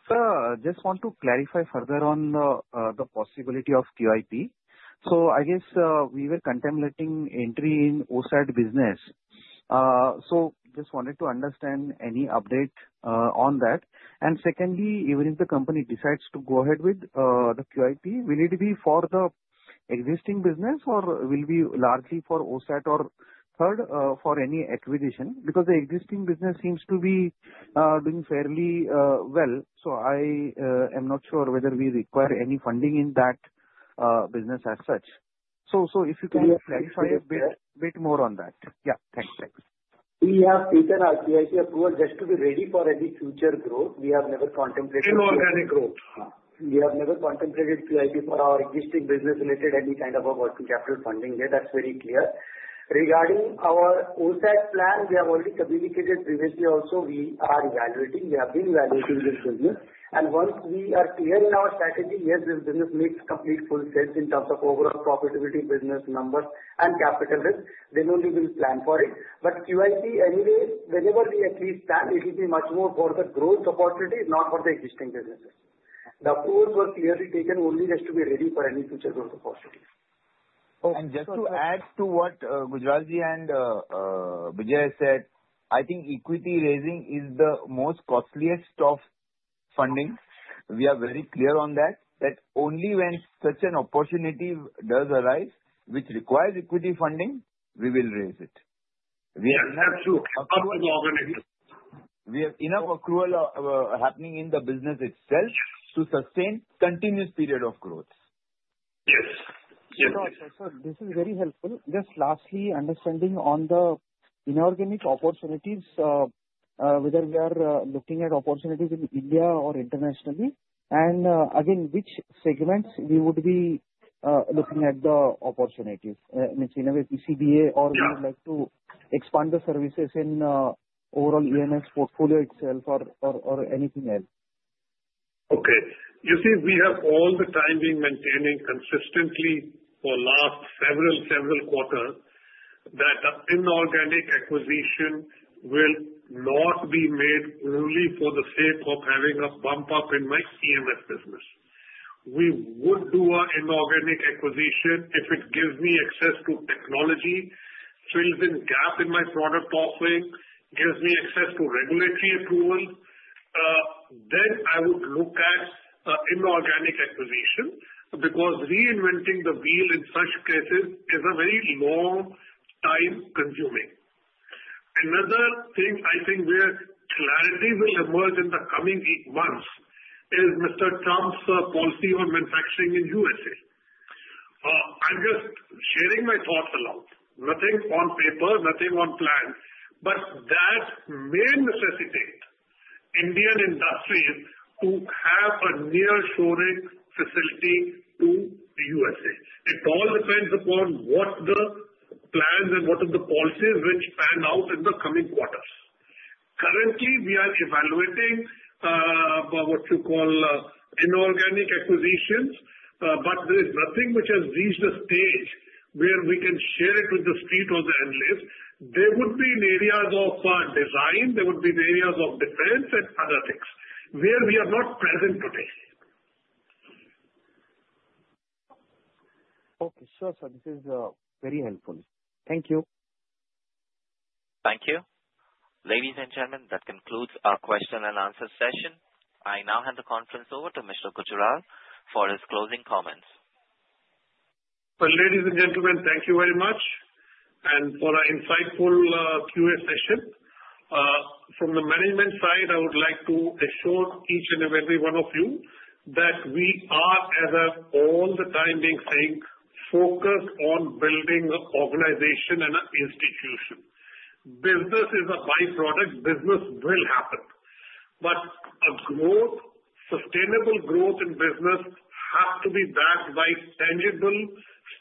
S2: Sir, just want to clarify further on the possibility of QIP. So I guess we were contemplating entry in OSAT business. So just wanted to understand any update on that. And secondly, even if the company decides to go ahead with the QIP, will it be for the existing business, or will it be largely for OSAT, or third, for any acquisition? Because the existing business seems to be doing fairly well. So I am not sure whether we require any funding in that business as such. So if you can clarify a bit more on that. Yeah. Thanks. Thanks.
S5: We have taken our QIP approval just to be ready for any future growth. We have never contemplated.
S4: Inorganic growth.
S5: We have never contemplated QIP for our existing business related to any kind of a working capital funding there. That's very clear. Regarding our OSAT plan, we have already communicated previously also. We are evaluating. We have been evaluating this business, and once we are clear in our strategy, yes, this business makes complete full sense in terms of overall profitability, business numbers, and capital risk, then only we will plan for it, but QIP, anyway, whenever we at least plan, it will be much more for the growth opportunity, not for the existing businesses. The approvals were clearly taken only just to be ready for any future growth opportunity.
S6: Just to add to what Gujralji and Bijay said, I think equity raising is the most costliest of funding. We are very clear on that, that only when such an opportunity does arise, which requires equity funding, we will raise it.
S4: That's true. That was organic.
S6: We have enough accrual happening in the business itself to sustain continuous period of growth.
S4: Yes. Yes.
S2: Sir, this is very helpful. Just lastly, understanding on the inorganic opportunities, whether we are looking at opportunities in India or internationally? And again, which segments we would be looking at the opportunities, in a way, PCBA, or we would like to expand the services in overall EMS portfolio itself or anything else?
S4: Okay. You see, we have all the time been maintaining consistently for the last several, several quarters that inorganic acquisition will not be made purely for the sake of having a bump up in my EMS business. We would do an inorganic acquisition if it gives me access to technology, fills in gap in my product offering, gives me access to regulatory approvals. Then I would look at inorganic acquisition because reinventing the wheel in such cases is a very long time-consuming. Another thing I think where clarity will emerge in the coming months is Mr. Trump's policy on manufacturing in USA. I'm just sharing my thoughts aloud. Nothing on paper, nothing on plan. But that may necessitate Indian industries to have a nearshoring facility to the USA. It all depends upon what the plans and what the policies which pan out in the coming quarters. Currently, we are evaluating what you call inorganic acquisitions, but there is nothing which has reached a stage where we can share it with the Street or the analyst list. There would be areas of design. There would be areas of defense and analytics where we are not present today.
S2: Okay. Sure, sir. This is very helpful. Thank you.
S1: Thank you. Ladies and gentlemen, that concludes our question and answer session. I now hand the conference over to Mr. Gujral for his closing comments.
S4: Ladies and gentlemen, thank you very much for an insightful Q&A session. From the management side, I would like to assure each and every one of you that we are, as I've all the time been saying, focused on building an organization and an institution. Business is a byproduct. Business will happen. But a growth, sustainable growth in business has to be backed by tangible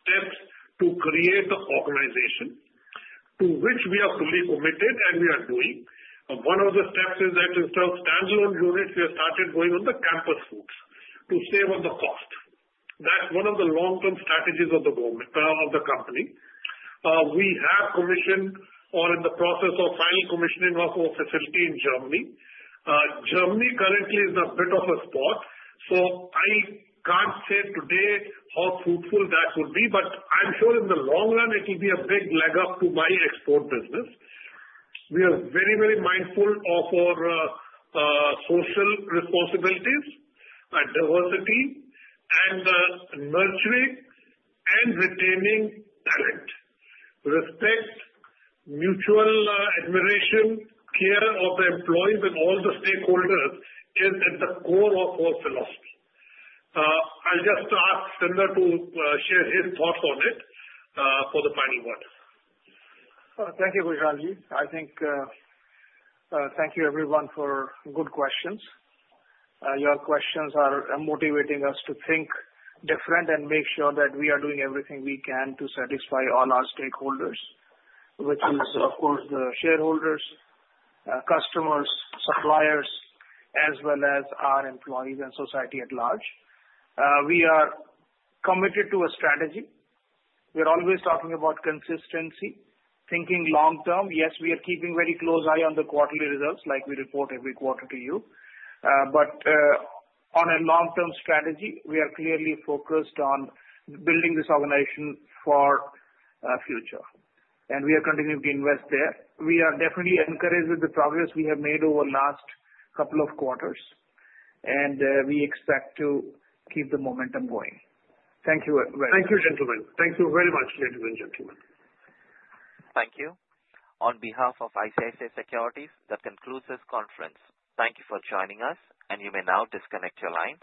S4: steps to create the organization to which we are fully committed and we are doing. One of the steps is that instead of standalone units, we have started going on the campus routes to save on the cost. That's one of the long-term strategies of the company. We have commissioned or in the process of final commissioning of our facility in Germany. Germany currently is in a bit of a spot. So I can't say today how fruitful that would be, but I'm sure in the long run, it will be a big leg up to my export business. We are very, very mindful of our social responsibilities and diversity and nurturing and retaining talent. Respect, mutual admiration, care of the employees and all the stakeholders is at the core of our philosophy. I'll just ask Satyendra to share his thoughts on it for the final word.
S6: Thank you, Gujralji. I think thank you, everyone, for good questions. Your questions are motivating us to think different and make sure that we are doing everything we can to satisfy all our stakeholders, which is, of course, the shareholders, customers, suppliers, as well as our employees and society at large. We are committed to a strategy. We are always talking about consistency, thinking long-term. Yes, we are keeping very close eye on the quarterly results like we report every quarter to you. But on a long-term strategy, we are clearly focused on building this organization for the future. And we are continuing to invest there. We are definitely encouraged with the progress we have made over the last couple of quarters. And we expect to keep the momentum going. Thank you very much.
S4: Thank you, gentlemen. Thank you very much, ladies and gentlemen.
S1: Thank you. On behalf of ICICI Securities, that concludes this conference. Thank you for joining us. You may now disconnect your lines.